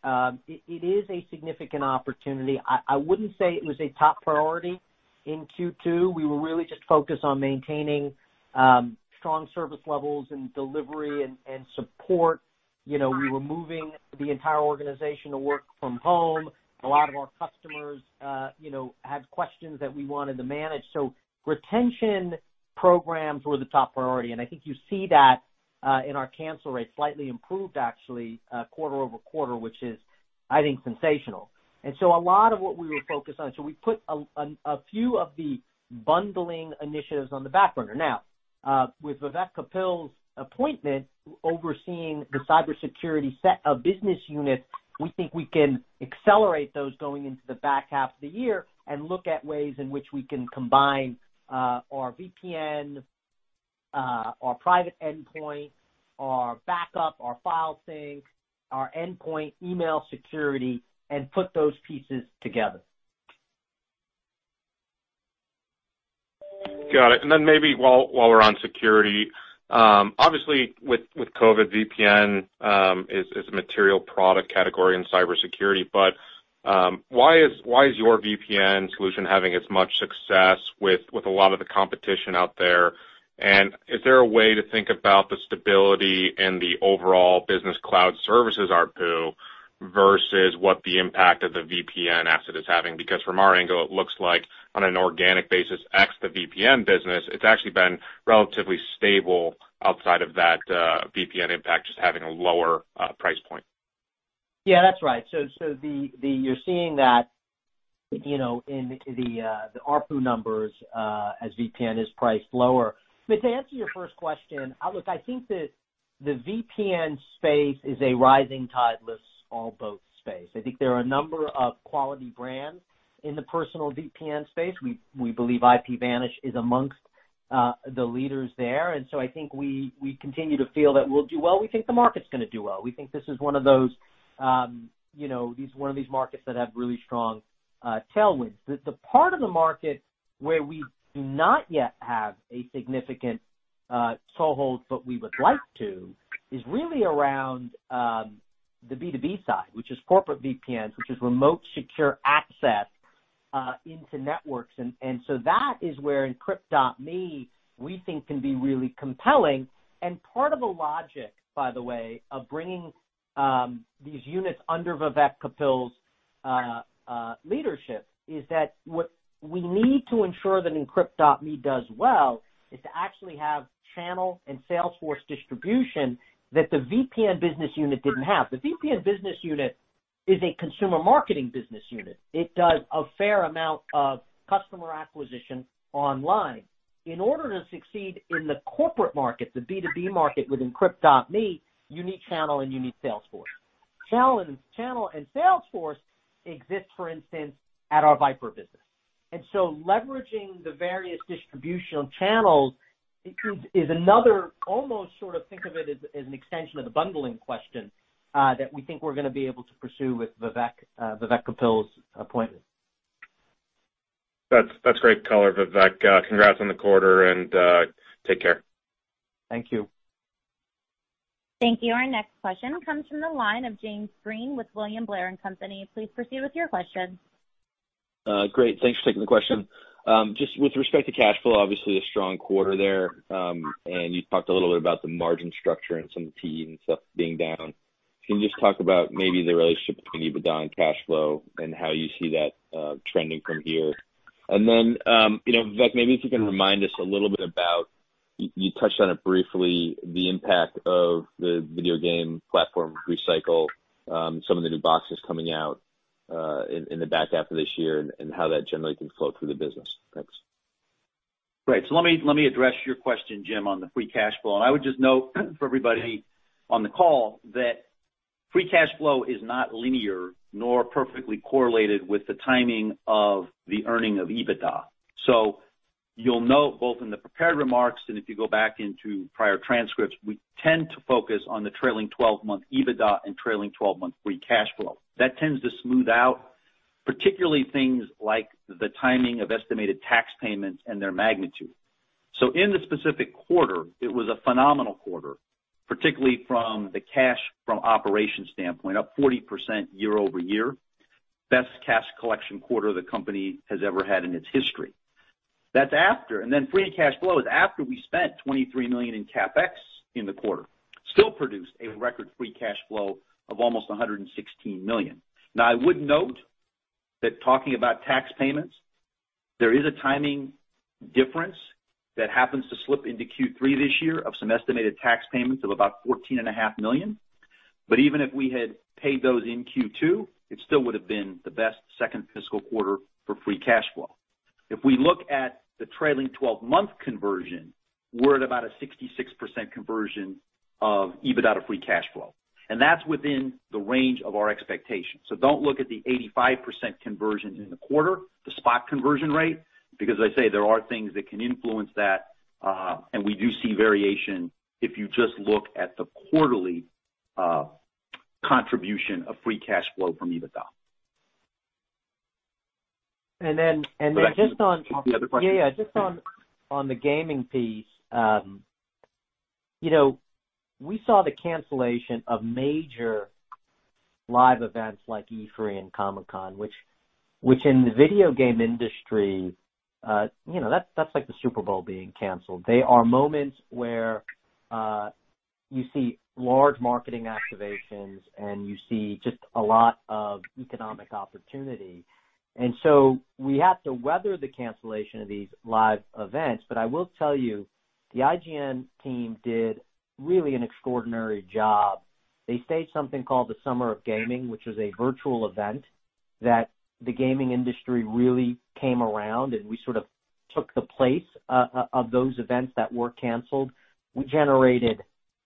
it is a significant opportunity. I wouldn't say it was a top priority in Q2. We were really just focused on maintaining strong service levels and delivery and support. We were moving the entire organization to work from home. A lot of our customers had questions that we wanted to manage. Retention programs were the top priority, and I think you see that in our cancel rates slightly improved actually, quarter-over-quarter, which is, I think, sensational. A lot of what we were focused on. We put a few of the bundling initiatives on the back burner. With Vivek Kapil's appointment overseeing the cybersecurity set of business units, we think we can accelerate those going into the back half of the year and look at ways in which we can combine our VPN, our private endpoint, our backup, our file sync, our endpoint email security, and put those pieces together. Got it. Then maybe while we're on security, obviously with COVID, VPN is a material product category in cybersecurity, but why is your VPN solution having as much success with a lot of the competition out there? Is there a way to think about the stability and the overall business Cloud Services ARPU versus what the impact of the VPN asset is having? Because from our angle, it looks like on an organic basis, X, the VPN business, it's actually been relatively stable outside of that VPN impact, just having a lower price point. That's right. You're seeing that in the ARPU numbers, as VPN is priced lower. To answer your first question, I think that the VPN space is a rising tide lifts all boats space. I think there are a number of quality brands in the personal VPN space. We believe IPVanish is amongst the leaders there, and so I think we continue to feel that we'll do well. We think the market's going to do well. We think this is one of these markets that have really strong tailwinds. The part of the market where we do not yet have a significant sole hold, but we would like to, is really around the B2B side, which is corporate VPNs, which is remote secure access into networks. That is where Encrypt.me, we think can be really compelling and part of the logic, by the way, of bringing these units under Vivek Kapil's leadership is that what we need to ensure that Encrypt.me does well is to actually have channel and sales force distribution that the VPN business unit didn't have. The VPN business unit is a consumer marketing business unit. It does a fair amount of customer acquisition online. In order to succeed in the corporate market, the B2B market with Encrypt.me, you need channel and you need sales force. Channel and sales force exist, for instance, at our Vipre business. Leveraging the various distributional channels is another, almost sort of think of it as an extension of the bundling question, that we think we're going to be able to pursue with Vivek Kapil's appointment. That's great color, Vivek. Congrats on the quarter and take care. Thank you. Thank you. Our next question comes from the line of Jim Breen with William Blair & Company. Please proceed with your question. Great. Thanks for taking the question. Just with respect to cash flow, obviously a strong quarter there. You talked a little bit about the margin structure and some of the T&E and stuff being down. Can you just talk about maybe the relationship between EBITDA and cash flow and how you see that trending from here? Vivek, maybe if you can remind us a little bit about, you touched on it briefly, the impact of the video game platform recycle, some of the new boxes coming out in the back half of this year and how that generally can flow through the business. Thanks. Great. Let me address your question, Jim, on the free cash flow. I would just note for everybody on the call that free cash flow is not linear nor perfectly correlated with the timing of the earning of EBITDA. You'll note both in the prepared remarks and if you go back into prior transcripts, we tend to focus on the trailing 12-month EBITDA and trailing 12-month free cash flow. That tends to smooth out particularly things like the timing of estimated tax payments and their magnitude. In this specific quarter, it was a phenomenal quarter, particularly from the cash from operation standpoint, up 40% year-over-year. Best cash collection quarter the company has ever had in its history. Free cash flow is after we spent $23 million in CapEx in the quarter. Still produced a record free cash flow of almost $116 million. I would note that talking about tax payments, there is a timing difference that happens to slip into Q3 this year of some estimated tax payments of about $14.5 million. Even if we had paid those in Q2, it still would have been the best second fiscal quarter for free cash flow. If we look at the trailing 12-month conversion, we're at about a 66% conversion of EBITDA free cash flow, and that's within the range of our expectations. Don't look at the 85% conversion in the quarter, the spot conversion rate, because as I say, there are things that can influence that, and we do see variation if you just look at the quarterly contribution of free cash flow from EBITDA. And then just on- The other question. Yeah, just on the gaming piece. We saw the cancellation of major live events like E3 and Comic-Con, which in the video game industry, that's like the Super Bowl being canceled. They are moments where you see large marketing activations and you see just a lot of economic opportunity. We have to weather the cancellation of these live events. I will tell you, the IGN team did really an extraordinary job. They staged something called the Summer of Gaming, which was a virtual event that the gaming industry really came around, and we sort of took the place of those events that were canceled. We generated.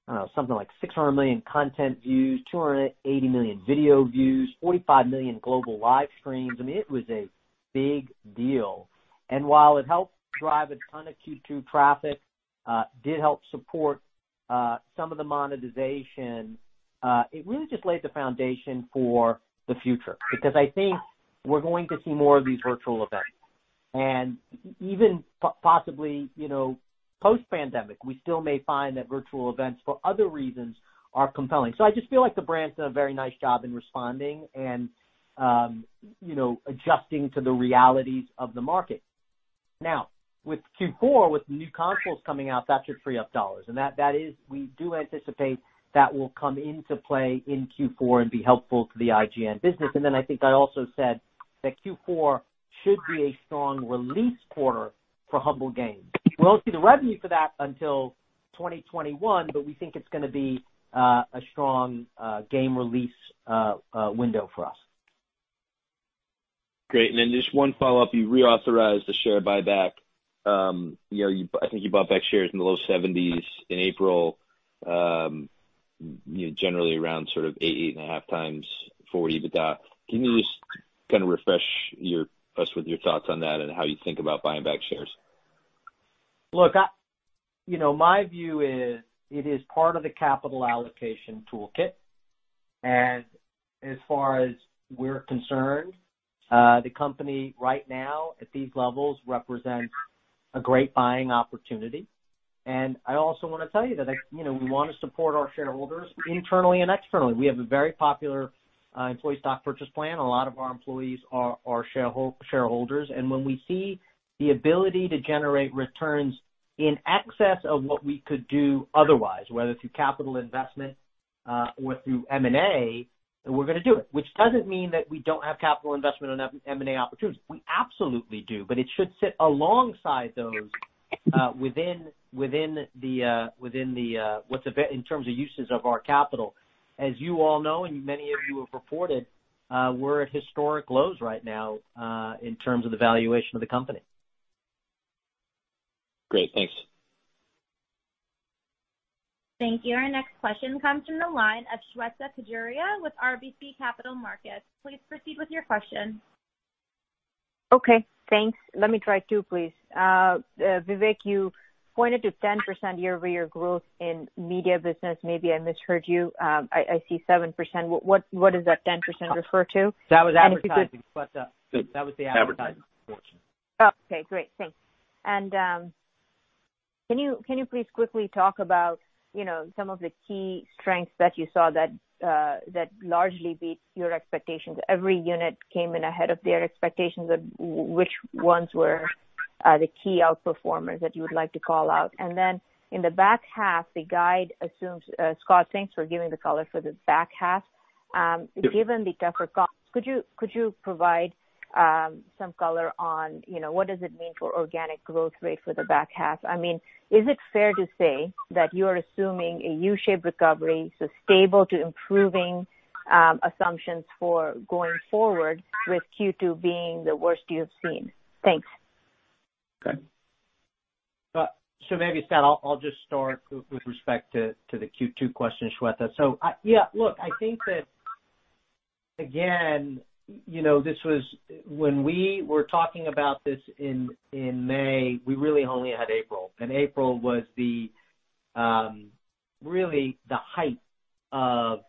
I don't know, something like 600 million content views, 280 million video views, 45 million global live streams. I mean, it was a big deal. While it helped drive a ton of Q2 traffic, did help support some of the monetization, it really just laid the foundation for the future. I think we're going to see more of these virtual events and even possibly post-pandemic, we still may find that virtual events for other reasons are compelling. I just feel like the brand's done a very nice job in responding and adjusting to the realities of the market. Now, with Q4, with new consoles coming out, that should free up dollars. That is, we do anticipate that will come into play in Q4 and be helpful to the IGN business. I think I also said that Q4 should be a strong release quarter for Humble Games. We won't see the revenue for that until 2021, but we think it's going to be a strong game release window for us. Great. Just one follow-up. You reauthorized a share buyback. I think you bought back shares in the low 70s in April. Generally around sort of eight and a half times forward EBITDA. Can you just kind of refresh us with your thoughts on that and how you think about buying back shares? Look, my view is, it is part of the capital allocation toolkit. As far as we're concerned, the company right now at these levels represents a great buying opportunity. I also want to tell you that we want to support our shareholders internally and externally. We have a very popular employee stock purchase plan. A lot of our employees are shareholders. When we see the ability to generate returns in excess of what we could do otherwise, whether through capital investment or through M&A, we're going to do it, which doesn't mean that we don't have capital investment and M&A opportunities. We absolutely do. It should sit alongside those in terms of uses of our capital. As you all know, and many of you have reported, we're at historic lows right now in terms of the valuation of the company. Great. Thanks. Thank you. Our next question comes from the line of Shweta Khajuria with RBC Capital Markets. Please proceed with your question. Okay, thanks. Let me try two, please. Vivek, you pointed to 10% year-over-year growth in media business. Maybe I misheard you. I see 7%. What does that 10% refer to? That was advertising. That was the advertising portion. Okay, great. Thanks. Can you please quickly talk about some of the key strengths that you saw that largely beat your expectations? Every unit came in ahead of their expectations. Which ones were the key outperformers that you would like to call out? Scott, thanks for giving the color for the back half. Given the tougher comps, could you provide some color on what does it mean for organic growth rate for the back half? I mean, is it fair to say that you are assuming a U-shaped recovery, so stable to improving assumptions for going forward with Q2 being the worst you have seen? Thanks. Okay. Maybe, Scott, I'll just start with respect to the Q2 question, Shweta. Yeah, look, I think that, again, when we were talking about this in May, we really only had April, and April was really the height of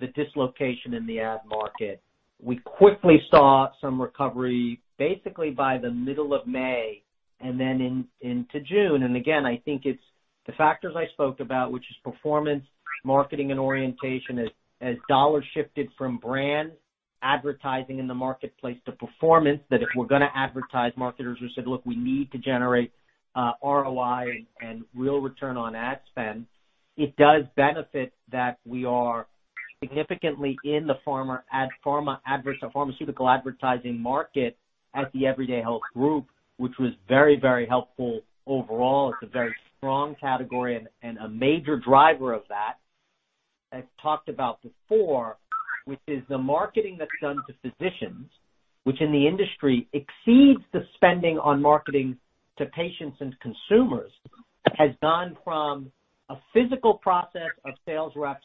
the dislocation in the ad market. We quickly saw some recovery basically by the middle of May and then into June. Again, I think it's the factors I spoke about, which is performance marketing and orientation as dollars shifted from brand advertising in the marketplace to performance, that if we're going to advertise, marketers who said, "Look, we need to generate ROI and real return on ad spend." It does benefit that we are significantly in the pharmaceutical advertising market at the Everyday Health Group, which was very helpful overall. It's a very strong category and a major driver of that I've talked about before, which is the marketing that's done to physicians, which in the industry exceeds the spending on marketing to patients and consumers, has gone from a physical process of sales reps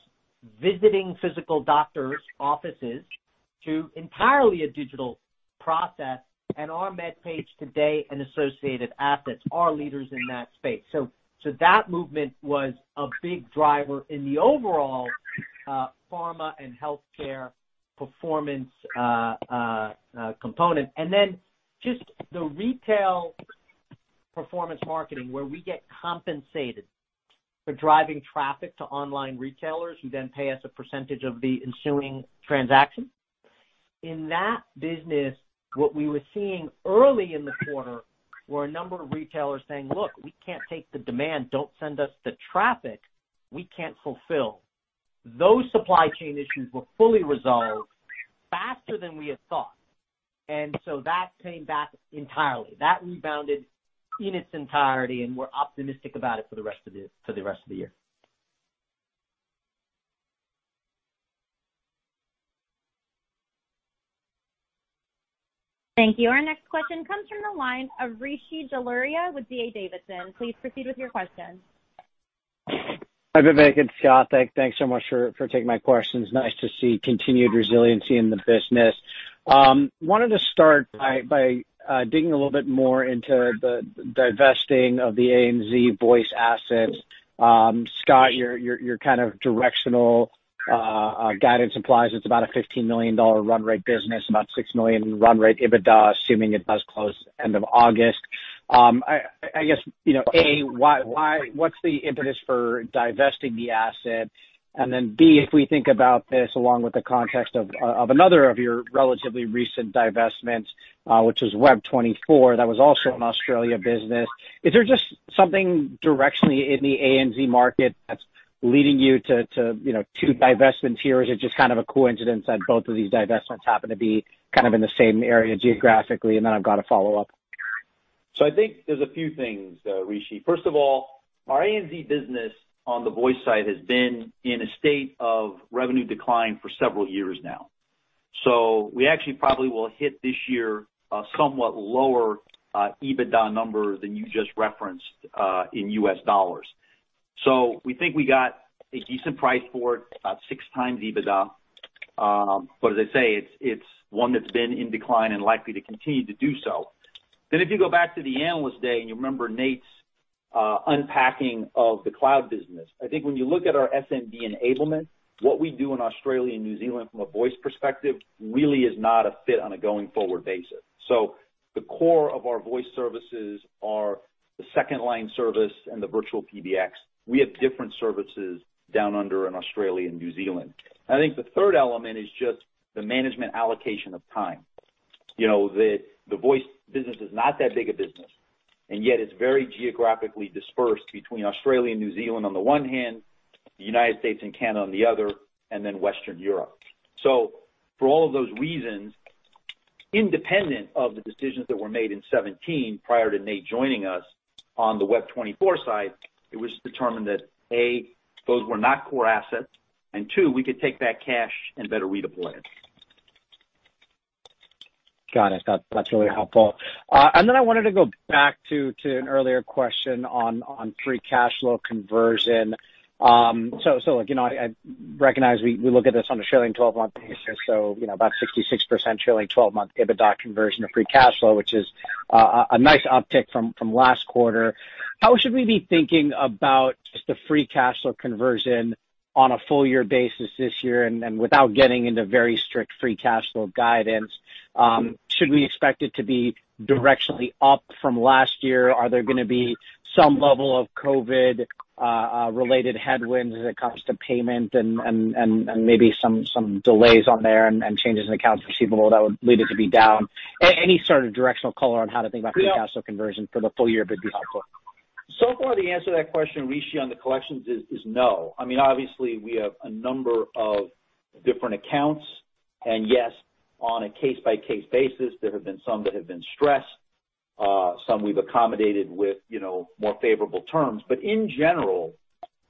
visiting physical doctors' offices to entirely a digital process. Our MedPage Today and associated assets are leaders in that space. That movement was a big driver in the overall pharma and healthcare performance component. Then just the retail performance marketing, where we get compensated for driving traffic to online retailers who then pay us a percentage of the ensuing transaction. In that business, what we were seeing early in the quarter were a number of retailers saying, "Look, we can't take the demand. Don't send us the traffic. We can't fulfill." Those supply chain issues were fully resolved faster than we had thought, and so that came back entirely. That rebounded in its entirety, and we're optimistic about it for the rest of the year. Thank you. Our next question comes from the line of Rishi Jaluria with D.A. Davidson. Please proceed with your question. Hi, Vivek and Scott. Thanks so much for taking my questions. Nice to see continued resiliency in the business. Wanted to start by digging a little bit more into the divesting of the ANZ Voice assets. Scott, your kind of directional guidance implies it's about a $15 million run rate business, about $6 million run rate EBITDA, assuming it does close end of August. I guess, A, what's the impetus for divesting the asset? Then, B, if we think about this along with the context of another of your relatively recent divestments, which is Web24, that was also an Australia business. Is there just something directionally in the ANZ market that's leading you to divestment here? Or is it just kind of a coincidence that both of these divestments happen to be kind of in the same area geographically? Then I've got a follow-up. I think there's a few things, Rishi. First of all, our ANZ business on the voice side has been in a state of revenue decline for several years now. We actually probably will hit this year a somewhat lower EBITDA number than you just referenced, in USD. As I say, it's one that's been in decline and likely to continue to do so. If you go back to the Analyst Day and you remember Nate's unpacking of the Cloud Services business, I think when you look at our SMB enablement, what we do in Australia and New Zealand from a voice perspective really is not a fit on a going-forward basis. The core of our voice services are the second-line service and the virtual PBX. We have different services down under in Australia and New Zealand. I think the third element is just the management allocation of time. The voice business is not that big a business, and yet it's very geographically dispersed between Australia and New Zealand on the one hand, the United States and Canada on the other, and then Western Europe. For all of those reasons, independent of the decisions that were made in 2017 prior to Nate joining us on the Web24 side, it was determined that, A, those were not core assets, and two, we could take that cash and better redeploy it. Got it. That's really helpful. I wanted to go back to an earlier question on free cash flow conversion. I recognize we look at this on a trailing 12-month basis, about 66% trailing 12-month EBITDA conversion to free cash flow, which is a nice uptick from last quarter. How should we be thinking about just the free cash flow conversion on a full-year basis this year? Without getting into very strict free cash flow guidance, should we expect it to be directionally up from last year? Are there going to be some level of COVID-related headwinds as it comes to payment and maybe some delays on there and changes in accounts receivable that would lead it to be down? Any sort of directional color on how to think about free cash flow conversion for the full year would be helpful. So far, the answer to that question, Rishi, on the collections is no. Obviously, we have a number of different accounts, and yes, on a case-by-case basis, there have been some that have been stressed, some we've accommodated with more favorable terms. In general,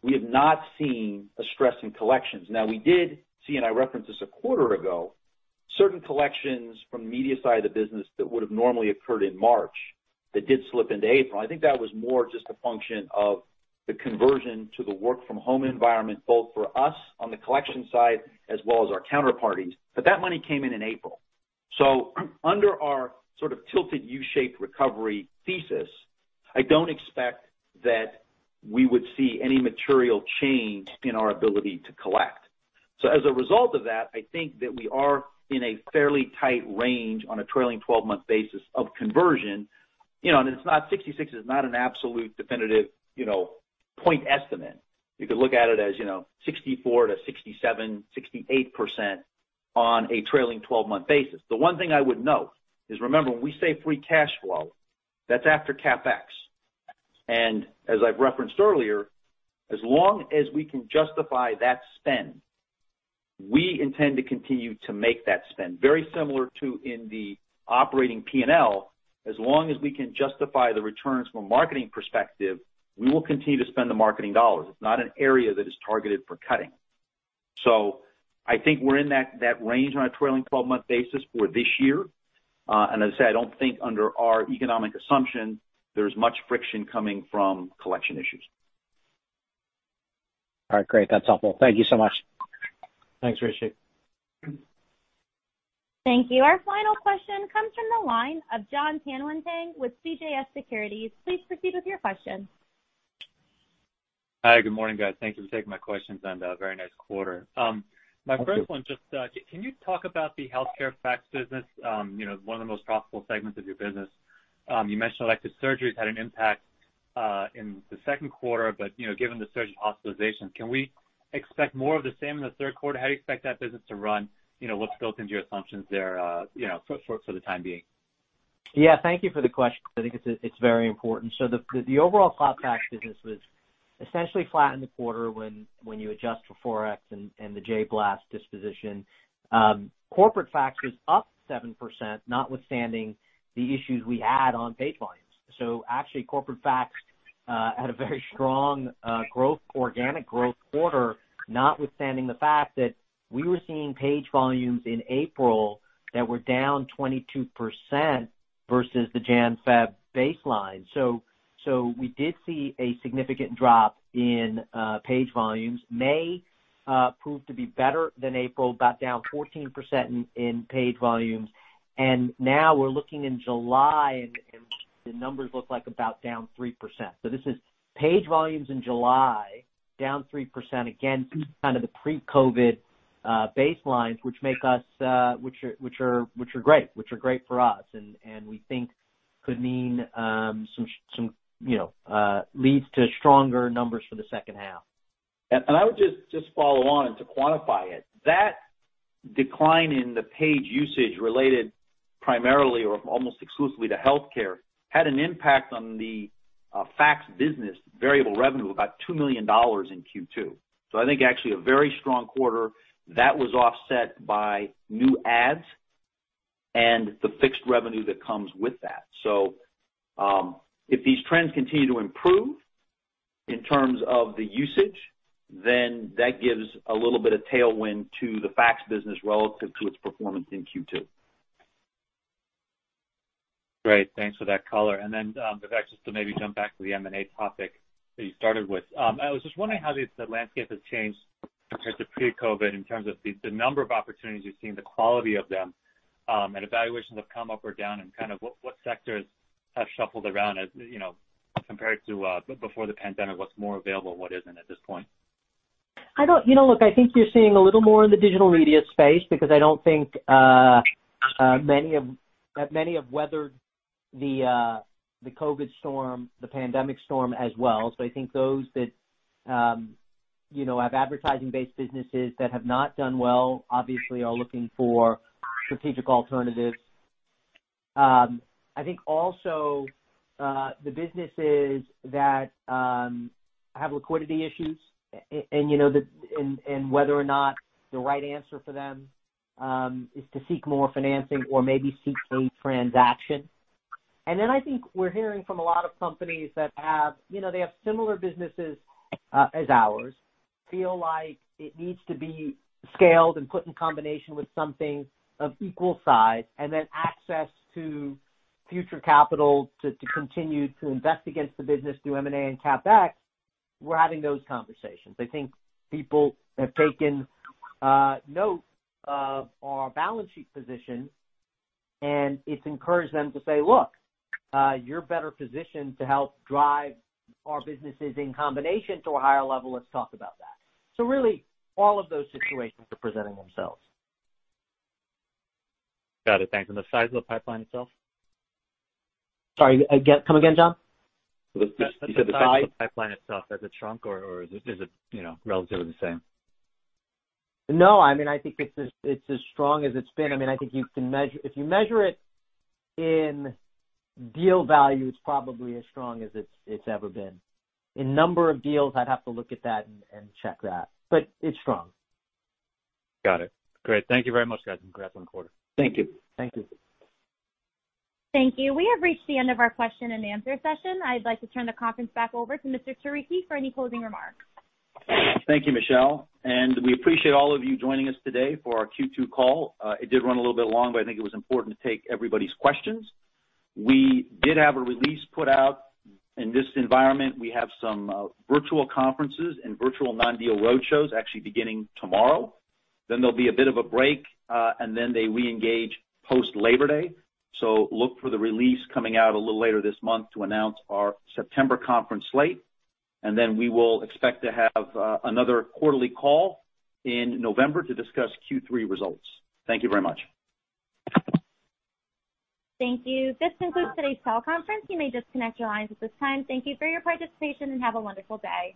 we have not seen a stress in collections. Now, we did see, and I referenced this a quarter ago, certain collections from the media side of the business that would have normally occurred in March that did slip into April. I think that was more just a function of the conversion to the work-from-home environment, both for us on the collection side as well as our counterparties. That money came in in April. Under our sort of tilted U-shaped recovery thesis, I don't expect that we would see any material change in our ability to collect. As a result of that, I think that we are in a fairly tight range on a trailing 12-month basis of conversion. 66 is not an absolute definitive point estimate. You could look at it as 64%-67%-68% on a trailing 12-month basis. The one thing I would note is, remember, when we say free cash flow, that's after CapEx. As I've referenced earlier, as long as we can justify that spend, we intend to continue to make that spend. Very similar to in the operating P&L, as long as we can justify the returns from a marketing perspective, we will continue to spend the marketing dollars. It's not an area that is targeted for cutting. I think we're in that range on a trailing 12-month basis for this year. As I said, I don't think under our economic assumption, there's much friction coming from collection issues. All right, great. That's helpful. Thank you so much. Thanks, Rishi. Thank you. Our final question comes from the line of Jonathan Tanwanteng with CJS Securities. Please proceed with your question. Hi, good morning, guys. Thank you for taking my questions, and a very nice quarter. Thank you. My first one, just can you talk about the healthcare fax business? One of the most profitable segments of your business. You mentioned elective surgeries had an impact in the second quarter, but given the surge in hospitalizations, can we expect more of the same in the third quarter? How do you expect that business to run? What's built into your assumptions there for the time being? Thank you for the question. I think it's very important. The overall cloud fax business was essentially flat in the quarter when you adjust for Forex and the jBlast disposition. Corporate fax was up 7%, notwithstanding the issues we had on page volumes. Actually, corporate fax had a very strong organic growth quarter, notwithstanding the fact that we were seeing page volumes in April that were down 22% versus the January-February baseline. We did see a significant drop in page volumes. May proved to be better than April, about down 14% in page volumes. Now we're looking in July, and the numbers look like about down 3%. This is page volumes in July down 3% again to kind of the pre-COVID baselines, which are great for us and we think could lead to stronger numbers for the second half. I would just follow on and to quantify it. That decline in the page usage related primarily or almost exclusively to healthcare, had an impact on the fax business variable revenue about $2 million in Q2. I think actually a very strong quarter that was offset by new DIDs and the fixed revenue that comes with that. If these trends continue to improve in terms of the usage, then that gives a little bit of tailwind to the fax business relative to its performance in Q2. Great. Thanks for that color. Vivek, just to maybe jump back to the M&A topic that you started with, I was just wondering how the landscape has changed compared to pre-COVID in terms of the number of opportunities you've seen, the quality of them, and evaluations have come up or down and kind of what sectors have shuffled around as compared to before the pandemic, what's more available, what isn't at this point? Look, I think you're seeing a little more in the Digital Media space because I don't think that many have weathered the COVID storm, the pandemic storm as well. I think those that have advertising-based businesses that have not done well, obviously are looking for strategic alternatives. I think also the businesses that have liquidity issues and whether or not the right answer for them is to seek more financing or maybe seek a transaction. I think we're hearing from a lot of companies that they have similar businesses as ours, feel like it needs to be scaled and put in combination with something of equal size, and then access to future capital to continue to invest against the business through M&A and CapEx. We're having those conversations. I think people have taken note of our balance sheet position, and it's encouraged them to say, "Look, you're better positioned to help drive our businesses in combination to a higher level. Let's talk about that." Really all of those situations are presenting themselves. Got it. Thanks. The size of the pipeline itself? Sorry, come again, Jon? You said the size- The size of the pipeline itself. Has it shrunk or is it relatively the same? No, I think it's as strong as it's been. I think if you measure it in deal value, it's probably as strong as it's ever been. In number of deals, I'd have to look at that and check that. It's strong. Got it. Great. Thank you very much, guys, and congrats on the quarter. Thank you. Thank you. Thank you. We have reached the end of our question and answer session. I'd like to turn the conference back over to Mr. Turicchi for any closing remarks. Thank you, Michelle. We appreciate all of you joining us today for our Q2 call. It did run a little bit long, but I think it was important to take everybody's questions. We did have a release put out. In this environment, we have some virtual conferences and virtual non-deal roadshows actually beginning tomorrow. There'll be a bit of a break, and then they reengage post-Labor Day. Look for the release coming out a little later this month to announce our September conference slate. We will expect to have another quarterly call in November to discuss Q3 results. Thank you very much. Thank you. This concludes today's call conference. You may disconnect your lines at this time. Thank you for your participation and have a wonderful day.